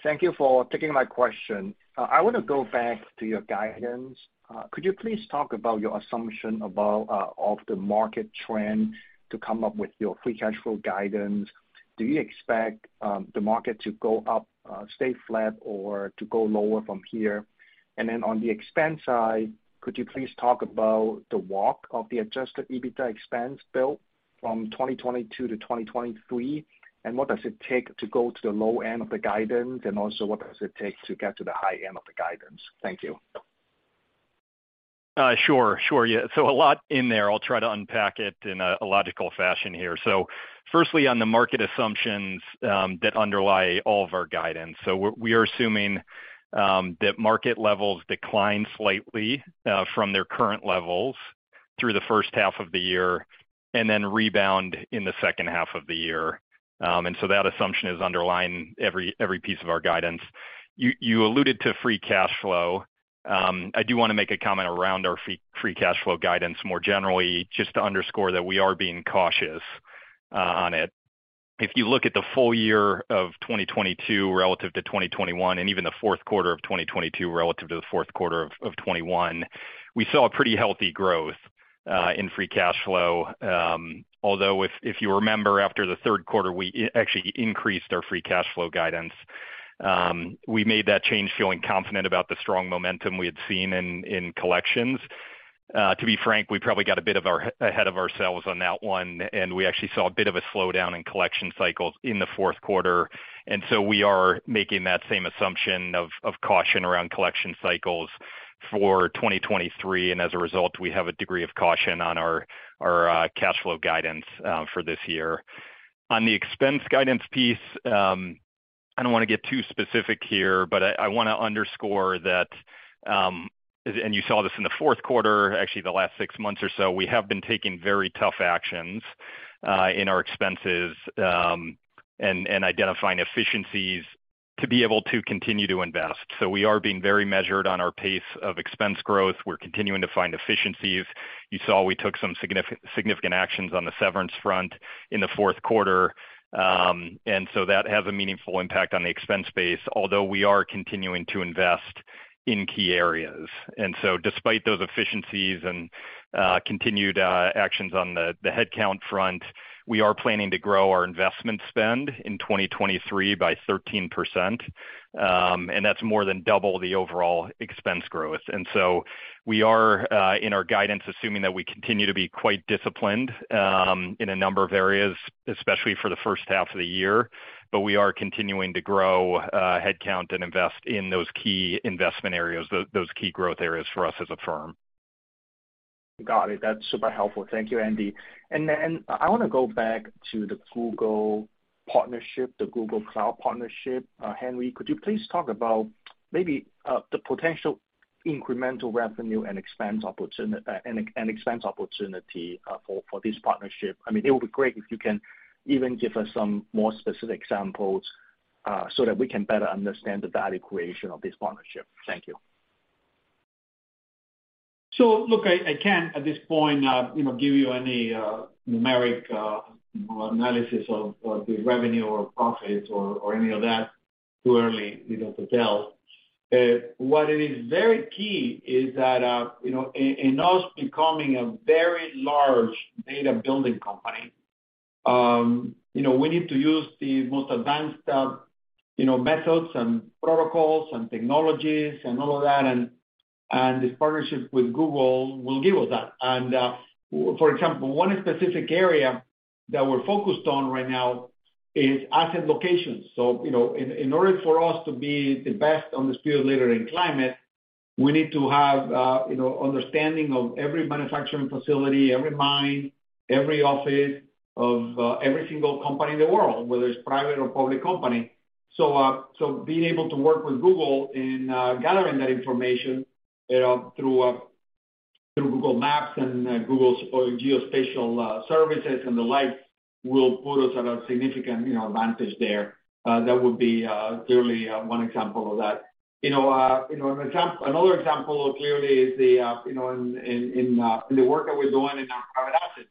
Speaker 10: Thank you for taking my question. I want to go back to your guidance. Could you please talk about your assumption about of the market trend to come up with your free cash flow guidance? Do you expect the market to go up, stay flat, or to go lower from here? On the expense side, could you please talk about the walk of the adjusted EBITDA expense bill from 2022 to 2023? What does it take to go to the low end of the guidance, and also what does it take to get to the high end of the guidance? Thank you.
Speaker 5: Sure. Sure. Yeah. A lot in there. I'll try to unpack it in a logical fashion here. Firstly, on the market assumptions that underlie all of our guidance. We are assuming that market levels decline slightly from their current levels through the H1 of the year and then rebound in the H2 of the year. That assumption is underlying every piece of our guidance. You alluded to free cash flow. I do wanna make a comment around our free cash flow guidance more generally, just to underscore that we are being cautious on it. If you look at the full year of 2022 relative to 2021, and even the Q4 of 2022 relative to the Q4 of 2021, we saw a pretty healthy growth in free cash flow. Although if you remember after the Q3, we actually increased our free cash flow guidance. We made that change feeling confident about the strong momentum we had seen in collections. To be frank, we probably got a bit ahead of ourselves on that one, and we actually saw a bit of a slowdown in collection cycles in the Q4. We are making that same assumption of caution around collection cycles for 2023, and as a result, we have a degree of caution on our cash flow guidance for this year. On the expense guidance piece, I don't want to get too specific here, but I want to underscore that, and you saw this in the Q4, actually the last 6 months or so, we have been taking very tough actions in our expenses and identifying efficiencies to be able to continue to invest. We are being very measured on our pace of expense growth. We're continuing to find efficiencies. You saw we took some significant actions on the severance front in the Q4. That has a meaningful impact on the expense base, although we are continuing to invest in key areas. Despite those efficiencies and continued actions on the headcount front, we are planning to grow our investment spend in 2023 by 13%, and that's more than double the overall expense growth. We are in our guidance, assuming that we continue to be quite disciplined in a number of areas, especially for the H1 of the year, but we are continuing to grow headcount and invest in those key investment areas, those key growth areas for us as a firm.
Speaker 10: Got it. That's super helpful. Thank you, Andy. I wanna go back to the Google partnership, the Google Cloud partnership. Henry, could you please talk about maybe the potential incremental revenue and expense opportunity for this partnership? I mean, it would be great if you can even give us some more specific examples, so that we can better understand the value creation of this partnership. Thank you.
Speaker 3: Look, I can't at this point, you know, give you any numeric analysis of the revenue or profit or any of that. Too early, you know, to tell. What it is very key is that, you know, in us becoming a very large data building company, you know, we need to use the most advanced, you know, methods and protocols and technologies and all of that and this partnership with Google will give us that. For example, one specific area that we're focused on right now is asset locations. You know, in order for us to be the best on this field later in climate, we need to have, you know, understanding of every manufacturing facility, every mine, every office of, every single company in the world, whether it's private or public company. Being able to work with Google in, gathering that information, through Google Maps and, Google's geospatial, services and the like, will put us at a significant, you know, advantage there. That would be, clearly, one example of that. You know, you know, another example clearly is the, you know, in, in the work that we're doing in our private assets,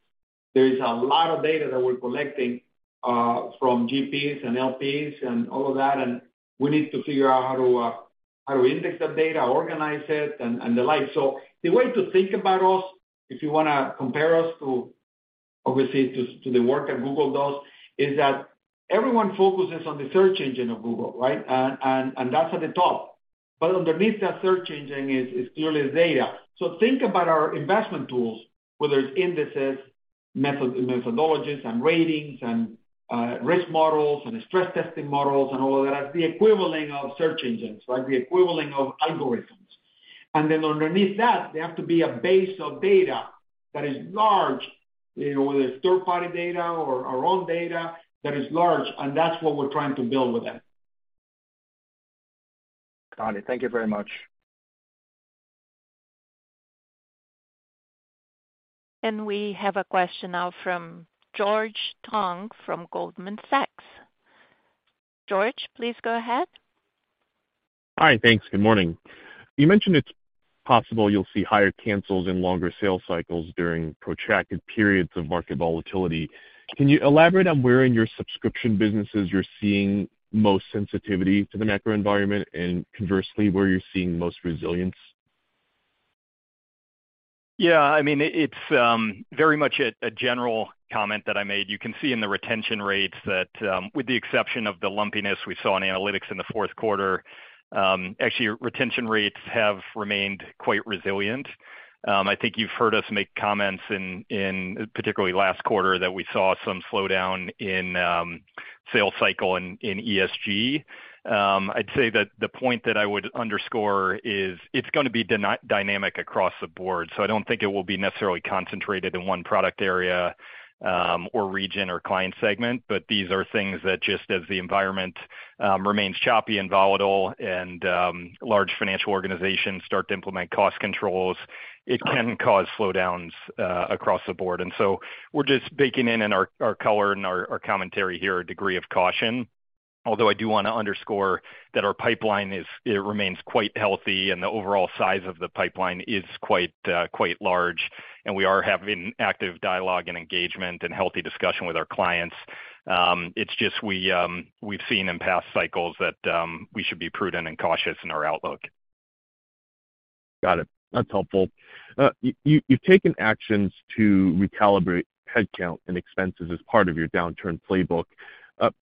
Speaker 3: there is a lot of data that we're collecting from GPs and LPs and all of that, and we need to figure out how to index that data, organize it, and the like. The way to think about us, if you wanna compare us to, obviously to the work that Google does, is that everyone focuses on the search engine of Google, right? That's at the top. Underneath that search engine is clearly data. Think about our investment tools, whether it's indices, methodologies and ratings and risk models and stress testing models and all of that, as the equivalent of search engines, right? The equivalent of algorithms. Underneath that, there have to be a base of data that is large, you know, whether it's third-party data or our own data that is large, and that's what we're trying to build with them.
Speaker 10: Got it. Thank you very much.
Speaker 1: We have a question now from George Tong from Goldman Sachs. George, please go ahead.
Speaker 11: Hi. Thanks. Good morning. You mentioned it's possible you'll see higher cancels and longer sales cycles during protracted periods of market volatility. Can you elaborate on where in your subscription businesses you're seeing most sensitivity to the macro environment, and conversely, where you're seeing most resilience?
Speaker 5: Yeah, I mean, it's very much a general comment that I made. You can see in the retention rates that with the exception of the lumpiness we saw in analytics in the Q4, actually retention rates have remained quite resilient. I think you've heard us make comments in particularly last quarter that we saw some slowdown in sales cycle in ESG. I'd say that the point that I would underscore is it's gonna be dynamic across the board. I don't think it will be necessarily concentrated in one product area, or region or client segment. These are things that just as the environment remains choppy and volatile and large financial organizations start to implement cost controls, it can cause slowdowns across the board. We're just baking in our colour and our commentary here a degree of caution. Although I do want to underscore that our pipeline it remains quite healthy, and the overall size of the pipeline is quite large, and we are having active dialogue and engagement and healthy discussion with our clients. It's just we've seen in past cycles that, we should be prudent and cautious in our outlook.
Speaker 11: Got it. That's helpful. You've taken actions to recalibrate headcount and expenses as part of your downturn playbook.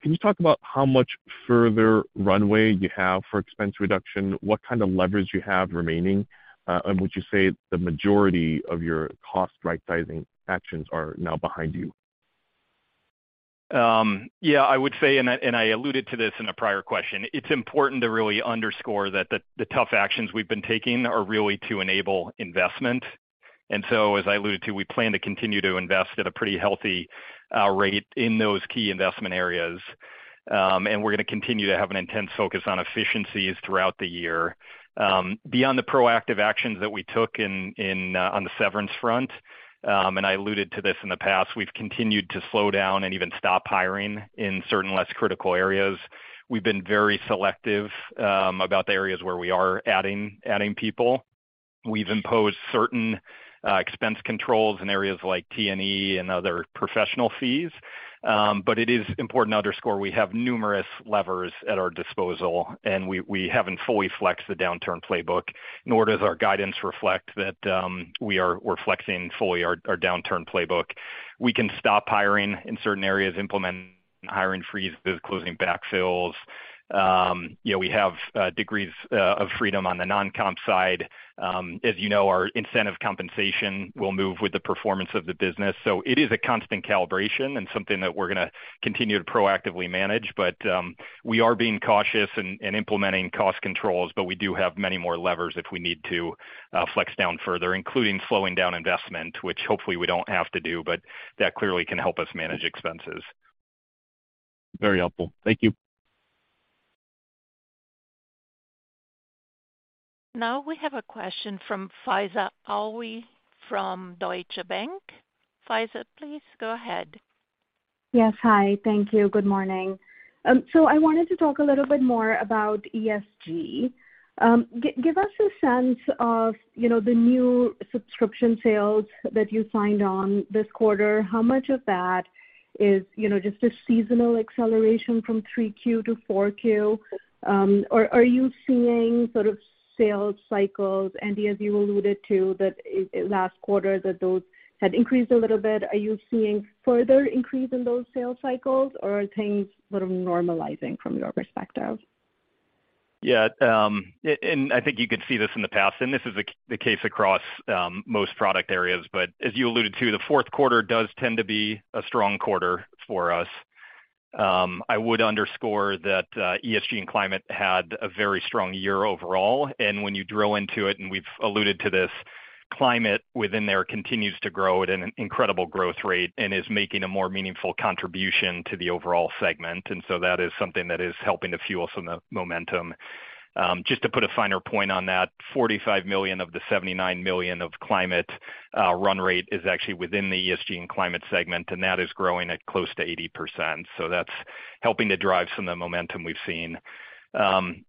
Speaker 11: Can you talk about how much further runway you have for expense reduction? What kind of leverage you have remaining? Would you say the majority of your cost right-sizing actions are now behind you?
Speaker 5: Yeah, I would say, and I alluded to this in a prior question, it's important to really underscore that the tough actions we've been taking are really to enable investment. As I alluded to, we plan to continue to invest at a pretty healthy rate in those key investment areas. We're gonna continue to have an intense focus on efficiencies throughout the year. Beyond the proactive actions that we took on the severance front, I alluded to this in the past, we've continued to slow down and even stop hiring in certain less critical areas. We've been very selective about the areas where we are adding people. We've imposed certain expense controls in areas like T&E and other professional fees. It is important to underscore we have numerous levers at our disposal, and we haven't fully flexed the downturn playbook, nor does our guidance reflect that we're flexing fully our downturn playbook. We can stop hiring in certain areas, implement hiring freezes, closing backfills. You know, we have degrees of freedom on the non-comp side. As you know, our incentive compensation will move with the performance of the business. It is a constant calibration and something that we're gonna continue to proactively manage. We are being cautious and implementing cost controls, but we do have many more levers if we need to flex down further, including slowing down investment, which hopefully we don't have to do, but that clearly can help us manage expenses.
Speaker 11: Very helpful. Thank you.
Speaker 1: Now we have a question from Faiza Alwy from Deutsche Bank. Faiza, please go ahead.
Speaker 12: Yes. Hi. Thank you. Good morning. I wanted to talk a little bit more about ESG. Give us a sense of, you know, the new subscription sales that you signed on this quarter. How much of that is, you know, just a seasonal acceleration from three Q to four Q? Are you seeing sort of sales cycles, Andy, as you alluded to that last quarter that those had increased a little bit. Are you seeing further increase in those sales cycles, or are things sort of normalizing from your perspective?
Speaker 5: Yeah. And I think you could see this in the past, and this is the case across most product areas. As you alluded to, the Q4 does tend to be a strong quarter for us. I would underscore that ESG and climate had a very strong year overall. When you drill into it, and we've alluded to this, climate within there continues to grow at an incredible growth rate and is making a more meaningful contribution to the overall segment. That is something that is helping to fuel some of the momentum. Just to put a finer point on that, $45 million of the $79 million of climate run rate is actually within the ESG and climate segment, and that is growing at close to 80%. That's helping to drive some of the momentum we've seen.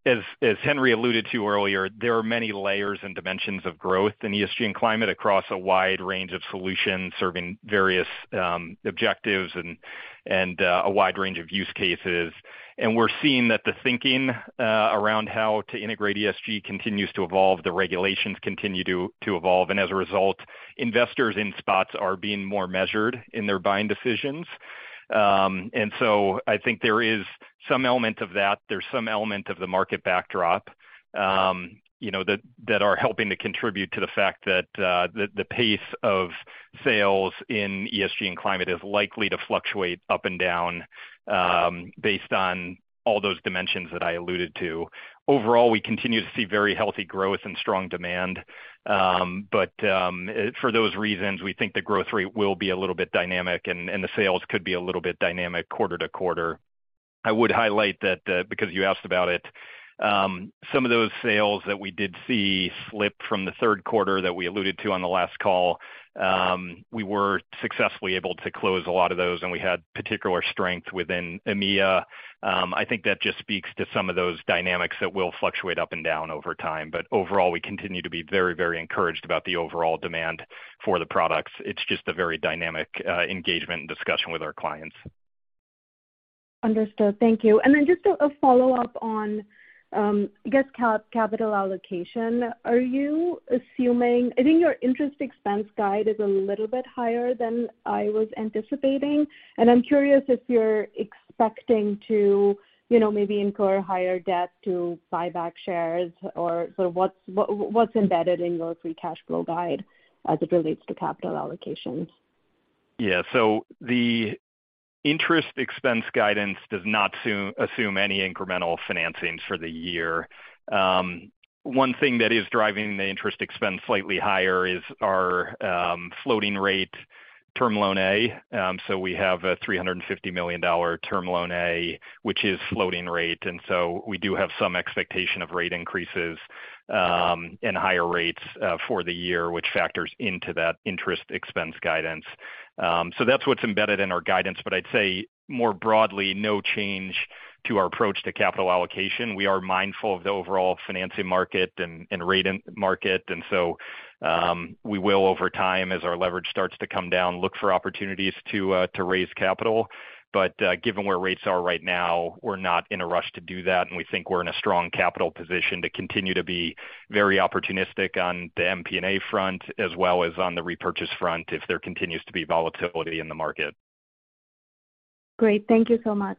Speaker 5: As Henry alluded to earlier, there are many layers and dimensions of growth in ESG and climate across a wide range of solutions, serving various objectives and a wide range of use cases. We're seeing that the thinking around how to integrate ESG continues to evolve, the regulations continue to evolve. As a result, investors in spots are being more measured in their buying decisions. I think there is some element of that. There's some element of the market backdrop, you know, that are helping to contribute to the fact that the pace of sales in ESG and climate is likely to fluctuate up and down based on all those dimensions that I alluded to. Overall, we continue to see very healthy growth and strong demand. For those reasons, we think the growth rate will be a little bit dynamic and the sales could be a little bit dynamic quarter to quarter. I would highlight that, because you asked about it, some of those sales that we did see slip from the Q3 that we alluded to on the last call, we were successfully able to close a lot of those, and we had particular strength within EMEA. I think that just speaks to some of those dynamics that will fluctuate up and down over time. Overall, we continue to be very, very encouraged about the overall demand for the products. It's just a very dynamic engagement and discussion with our clients.
Speaker 12: Understood. Thank you. Just a follow-up on, I guess, capital allocation. I think your interest expense guide is a little bit higher than I was anticipating, and I'm curious if you're expecting to, you know, maybe incur higher debt to buy back shares or what's embedded in your free cash flow guide as it relates to capital allocation?
Speaker 5: Yeah. The interest expense guidance does not assume any incremental financings for the year. One thing that is driving the interest expense slightly higher is our floating rate term loan A. We have a $350 million term loan A, which is floating rate. We do have some expectation of rate increases and higher rates for the year, which factors into that interest expense guidance. That's what's embedded in our guidance. I'd say more broadly, no change to our approach to capital allocation. We are mindful of the overall financing market and rate market. We will over time, as our leverage starts to come down, look for opportunities to raise capital. Given where rates are right now, we're not in a rush to do that, and we think we're in a strong capital position to continue to be very opportunistic on the M&A front as well as on the repurchase front, if there continues to be volatility in the market.
Speaker 12: Great. Thank you so much.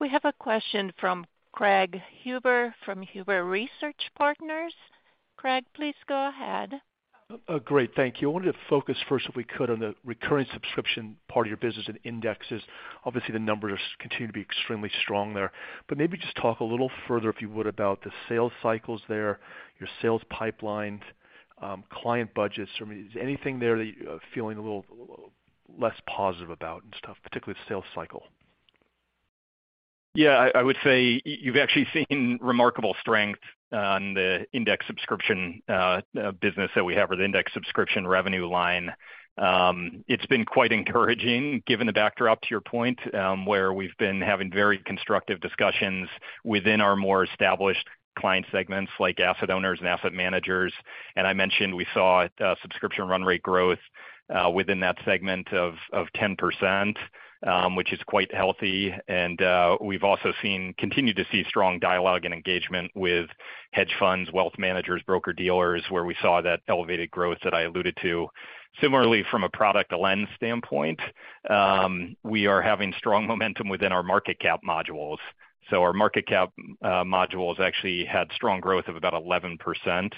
Speaker 1: We have a question from Craig Huber from Huber Research Partners. Craig, please go ahead.
Speaker 13: Great. Thank you. I wanted to focus first, if we could, on the recurring subscription part of your business and indexes. Obviously, the numbers continue to be extremely strong there. Maybe just talk a little further, if you would, about the sales cycles there, your sales pipeline, client budgets. I mean, is anything there that you are feeling a little less positive about and stuff, particularly the sales cycle?
Speaker 5: Yeah. I would say you've actually seen remarkable strength on the index subscription business that we have, or the index subscription revenue line. It's been quite encouraging given the backdrop, to your point, where we've been having very constructive discussions within our more established client segments, like asset owners and asset managers. I mentioned we saw subscription run rate growth within that segment of 10%, which is quite healthy. We've also continued to see strong dialogue and engagement with hedge funds, wealth managers, broker-dealers, where we saw that elevated growth that I alluded to. Similarly, from a product lens standpoint, we are having strong momentum within our market cap modules. Our market cap modules actually had strong growth of about 11%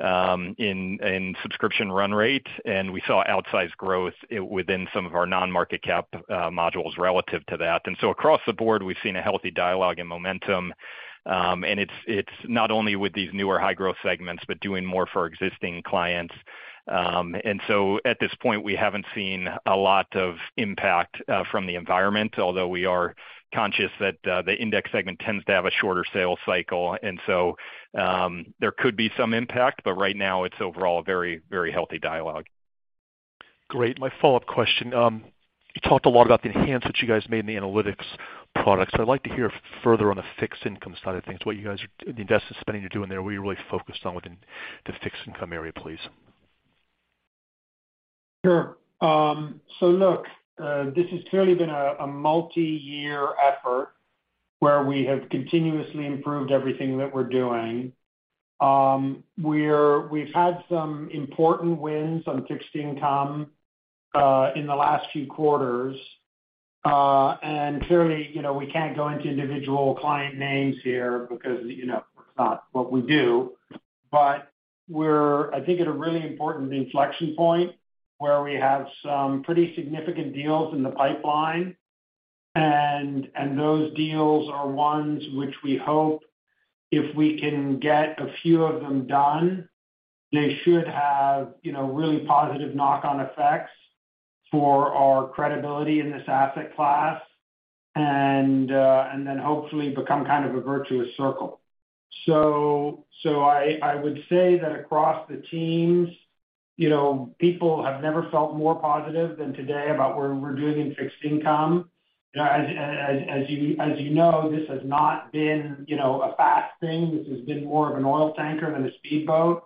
Speaker 5: in subscription run rate, and we saw outsized growth within some of our non-market cap modules relative to that. Across the board, we've seen a healthy dialogue and momentum. It's not only with these newer high-growth segments, but doing more for existing clients. At this point, we haven't seen a lot of impact from the environment, although we are conscious that the index segment tends to have a shorter sales cycle. There could be some impact, but right now it's overall a very, very healthy dialogue.
Speaker 13: Great. My follow-up question. You talked a lot about the enhance that you guys made in the analytics products. I'd like to hear further on the fixed income side of things, the investment spending you're doing there. Where are you really focused on within the fixed income area, please?
Speaker 4: Sure. Look, this has clearly been a multi-year effort where we have continuously improved everything that we're doing. We've had some important wins on fixed income in the last few quarters. Clearly, you know, we can't go into individual client names here because, you know, it's not what we do. But we're, I think, at a really important inflection point where we have some pretty significant deals in the pipeline. Those deals are ones which we hope if we can get a few of them done, they should have, you know, really positive knock-on effects for our credibility in this asset class, and then hopefully become kind of a virtuous circle. I would say that across the teams, you know, people have never felt more positive than today about where we're doing in fixed income. You know, as you know, this has not been, you know, a fast thing. This has been more of an oil tanker than a speedboat.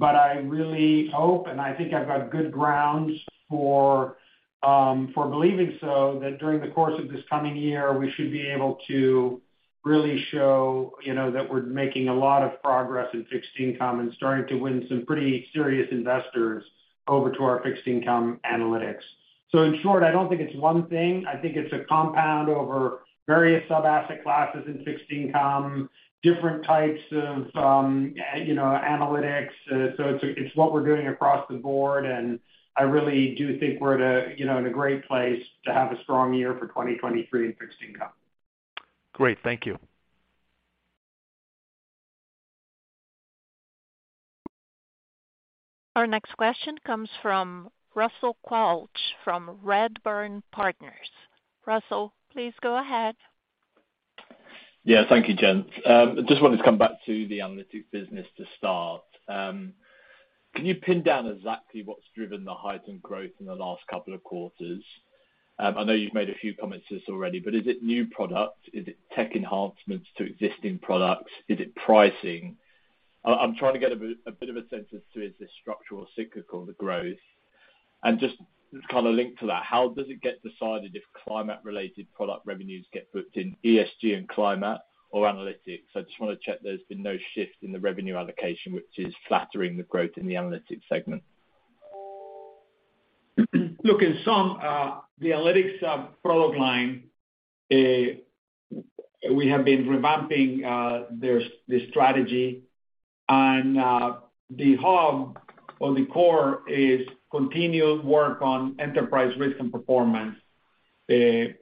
Speaker 4: I really hope, and I think I've got good grounds for believing so, that during the course of this coming year, we should be able to really show, you know, that we're making a lot of progress in fixed income and starting to win some pretty serious investors over to our fixed income analytics. In short, I don't think it's one thing. I think it's a compound over various sub-asset classes in fixed income, different types of, you know, analytics. It's what we're doing across the board, and I really do think we're at a, you know, in a great place to have a strong year for 2023 in fixed income.
Speaker 13: Great. Thank you.
Speaker 1: Our next question comes from Russell Quelch, from Redburn Partners. Russell, please go ahead.
Speaker 14: Yeah. Thank you, gents. I just wanted to come back to the Analytics business to start. Can you pin down exactly what's driven the heightened growth in the last couple of quarters? I know you've made a few comments to this already, is it new products? Is it tech enhancements to existing products? Is it pricing? I'm trying to get a bit of a sense as to is this structural or cyclical, the growth. Just to kind of link to that, how does it get decided if climate-related product revenues get booked in ESG and climate or Analytics? I just wanna check there's been no shift in the revenue allocation, which is flattering the growth in the Analytics segment.
Speaker 3: Look, in some, the analytics sub product line, we have been revamping the strategy. The hub or the core is continued work on enterprise risk and performance. We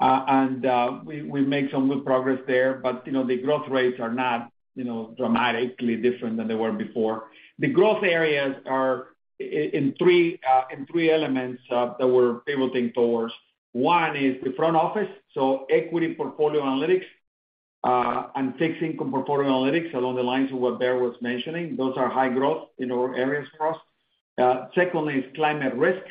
Speaker 3: make some good progress there, but, you know, the growth rates are not, you know, dramatically different than they were before. The growth areas are in three, in three elements that we're pivoting towards. One is the front office, so equity portfolio analytics. Fixing corporate analytics along the lines of what Baer was mentioning. Those are high growth in our areas for us. Secondly is climate risk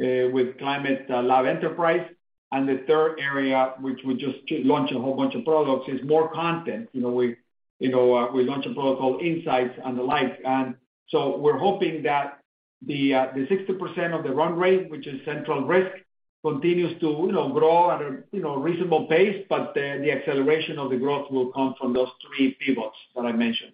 Speaker 3: with Climate Lab Enterprise. The third area, which we just launched a whole bunch of products, is more content. You know, we, you know, we launched a product called Insights and the like. We're hoping that the 60% of the run rate, which is central risk, continues to, you know, grow at a, you know, reasonable pace, but the acceleration of the growth will come from those three pivots that I mentioned.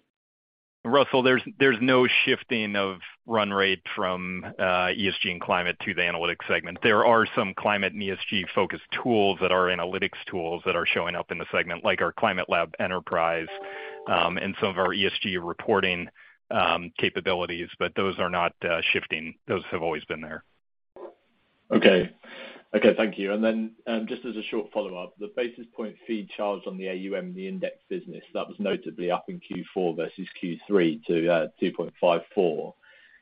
Speaker 5: Russell, there's no shifting of run rate from ESG and climate to the analytics segment. There are some climate and ESG-focused tools that are analytics tools that are showing up in the segment, like our Climate Lab Enterprise, and some of our ESG reporting capabilities, but those are not shifting. Those have always been there.
Speaker 14: Okay. Okay, thank you. Just as a short follow-up, the basis point fee charged on the AUM, the index business that was notably up in Q4 versus Q3 to 2.54.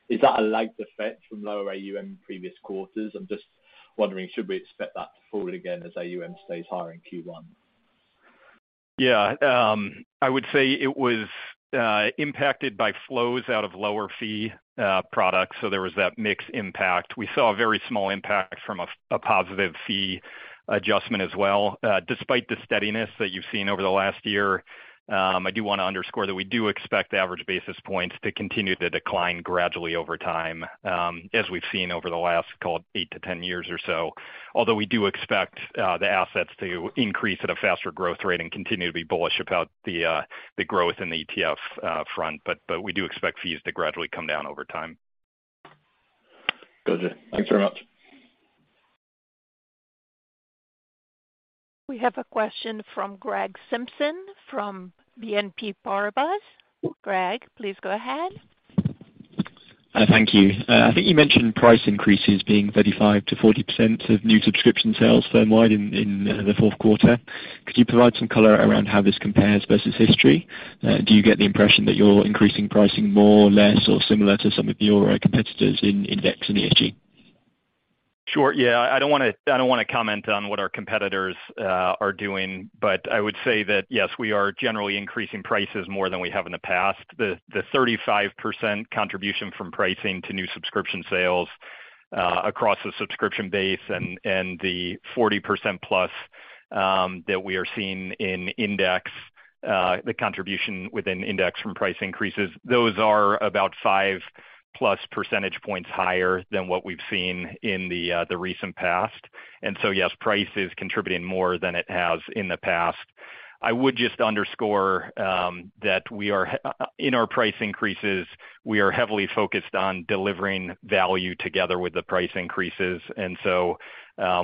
Speaker 14: Is that a lagged effect from lower AUM in previous quarters? I'm just wondering, should we expect that to fall again as AUM stays higher in Q1?
Speaker 5: Yeah. I would say it was impacted by flows out of lower fee products, so there was that mix impact. We saw a very small impact from a positive fee adjustment as well. Despite the steadiness that you've seen over the last year, I do wanna underscore that we do expect average basis points to continue to decline gradually over time, as we've seen over the last, call it 8 to 10 years or so. We do expect the assets to increase at a faster growth rate and continue to be bullish about the growth in the ETF front. We do expect fees to gradually come down over time.
Speaker 14: Gotcha. Thanks very much.
Speaker 1: We have a question from Gregory Simpson, from BNP Paribas. Greg, please go ahead.
Speaker 15: Thank you. I think you mentioned price increases being 35% to 40% of new subscription sales firm-wide in the Q4. Could you provide some color around how this compares versus history? Do you get the impression that you're increasing pricing more, less or similar to some of your competitors in index and ESG?
Speaker 5: Sure. Yeah. I don't wanna, I don't wanna comment on what our competitors are doing, I would say that yes, we are generally increasing prices more than we have in the past. The 35% contribution from pricing to new subscription sales across the subscription base and the 40%+ that we are seeing in index, the contribution within index from price increases, those are about 5+ percentage points higher than what we've seen in the recent past. Yes, price is contributing more than it has in the past. I would just underscore that we are in our price increases, we are heavily focused on delivering value together with the price increases.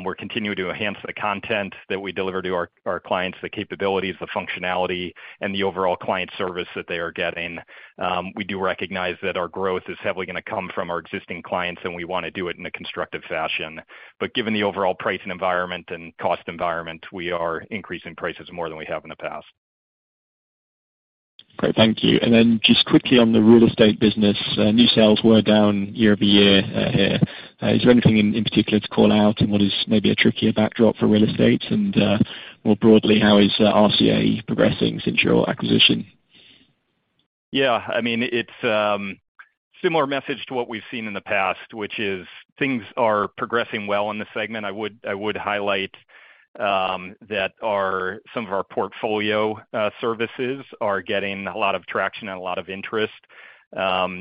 Speaker 5: We're continuing to enhance the content that we deliver to our clients, the capabilities, the functionality, and the overall client service that they are getting. We do recognize that our growth is heavily gonna come from our existing clients, and we wanna do it in a constructive fashion. Given the overall pricing environment and cost environment, we are increasing prices more than we have in the past.
Speaker 15: Great. Thank you. Then just quickly on the real estate business, new sales were down year-over-year here. Is there anything in particular to call out in what is maybe a trickier backdrop for real estate? More broadly, how is RCA progressing since your acquisition?
Speaker 5: Yeah, I mean, it's a similar message to what we've seen in the past, which is things are progressing well in the segment. I would highlight that some of our portfolio services are getting a lot of traction and a lot of interest.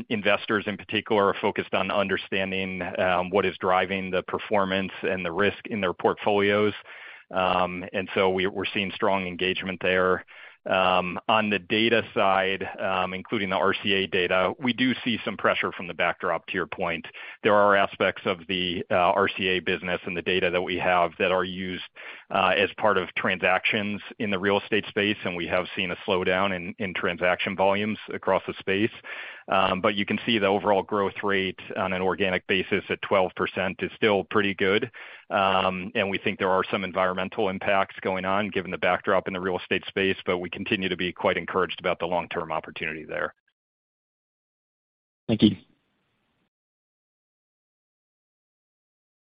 Speaker 5: Investors in particular are focused on understanding what is driving the performance and the risk in their portfolios. We're seeing strong engagement there. On the data side, including the RCA data, we do see some pressure from the backdrop to your point. There are aspects of the RCA business and the data that we have that are used as part of transactions in the real estate space, and we have seen a slowdown in transaction volumes across the space. You can see the overall growth rate on an organic basis at 12% is still pretty good. We think there are some environmental impacts going on given the backdrop in the real estate space, but we continue to be quite encouraged about the long-term opportunity there.
Speaker 15: Thank you.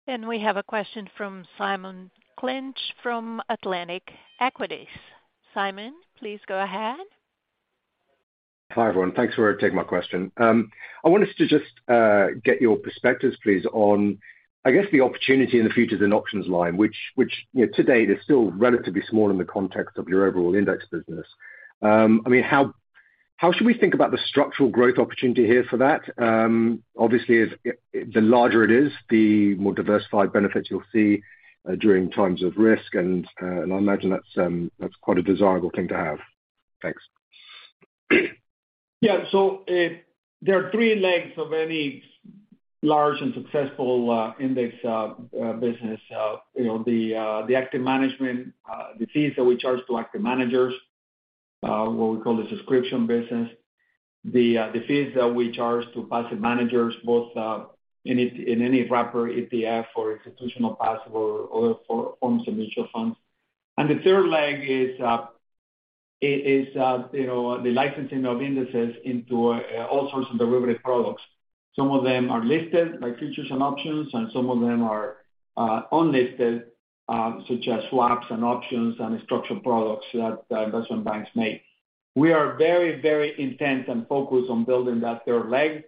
Speaker 1: We have a question from Simon Clinch from Atlantic Equities. Simon, please go ahead.
Speaker 16: Hi, everyone. Thanks for taking my question. I wanted to just get your perspectives, please, on, I guess, the opportunity in the futures and options line, which, you know, to date is still relatively small in the context of your overall index business. I mean, how should we think about the structural growth opportunity here for that? Obviously, the larger it is, the more diversified benefits you'll see during times of risk. And I imagine that's quite a desirable thing to have. Thanks.
Speaker 3: Yeah. So, there are three legs of any large and successful index business. You know, the active management, the fees that we charge to active managers, what we call the subscription business. The fees that we charge to passive managers, both in any wrapper ETF or institutional passive or on some mutual funds. The third leg is, you know, the licensing of indices into all sorts of derivative products. Some of them are listed by features and options, and some of them are unlisted, such as swaps and options and structural products that investment banks make. We are very, very intense and focused on building that third leg.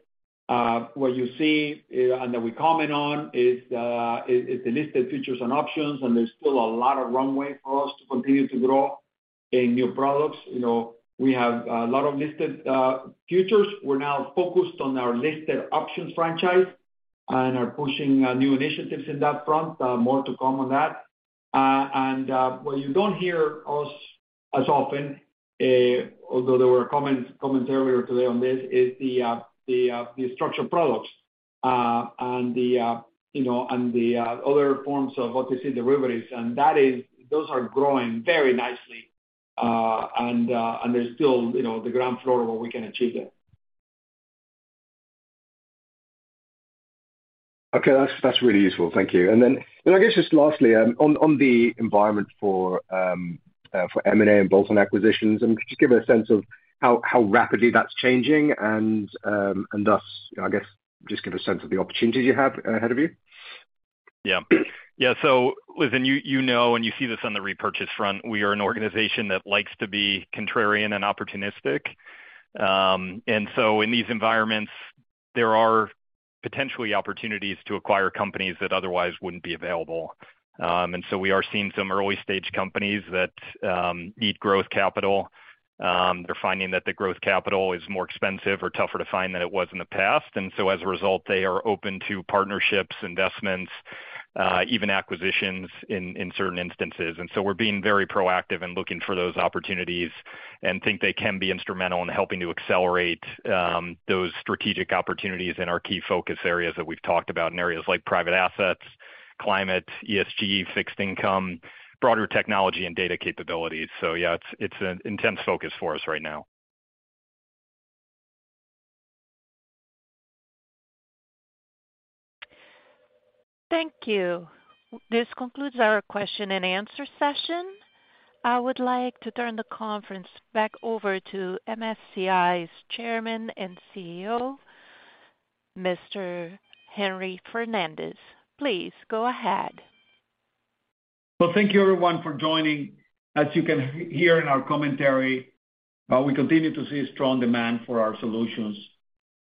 Speaker 3: What you see, and that we comment on is the listed features and options, and there's still a lot of runway for us to continue to grow in new products. You know, we have a lot of listed futures. We're now focused on our listed options franchise and are pushing new initiatives in that front. More to come on that. What you don't hear us as often, although there were comments earlier today on this, is the structured products and the, you know, and the other forms of OTC derivatives. Those are growing very nicely, and there's still, you know, the ground floor where we can achieve that.
Speaker 16: Okay. That's really useful. Thank you. I guess just lastly, on the environment for M&A and bolt-on acquisitions, could you give a sense of how rapidly that's changing and thus, I guess, just give a sense of the opportunities you have ahead of you?
Speaker 5: Yeah. Yeah. Listen, you know, and you see this on the repurchase front, we are an organization that likes to be contrarian and opportunistic. In these environments, there are potentially opportunities to acquire companies that otherwise wouldn't be available. We are seeing some early-stage companies that need growth capital. They're finding that the growth capital is more expensive or tougher to find than it was in the past. As a result, they are open to partnerships, investments, even acquisitions in certain instances. We're being very proactive in looking for those opportunities and think they can be instrumental in helping to accelerate those strategic opportunities in our key focus areas that we've talked about in areas like private assets, climate, ESG, fixed income, broader technology, and data capabilities. Yeah, it's an intense focus for us right now.
Speaker 1: Thank you. This concludes our question and answer session. I would like to turn the conference back over to MSCI's Chairman and CEO, Mr. Henry Fernandez. Please go ahead.
Speaker 3: Well, thank you, everyone, for joining. As you can hear in our commentary, we continue to see strong demand for our solutions.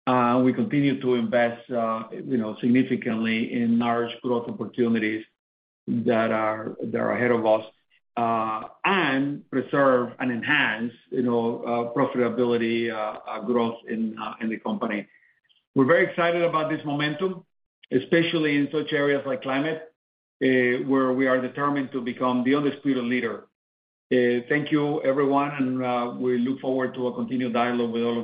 Speaker 3: We continue to invest, you know, significantly in large growth opportunities that are ahead of us, and preserve and enhance, you know, profitability growth in the company. We're very excited about this momentum, especially in such areas like climate, where we are determined to become the undisputed leader. Thank you, everyone, and we look forward to a continued dialogue with all of you.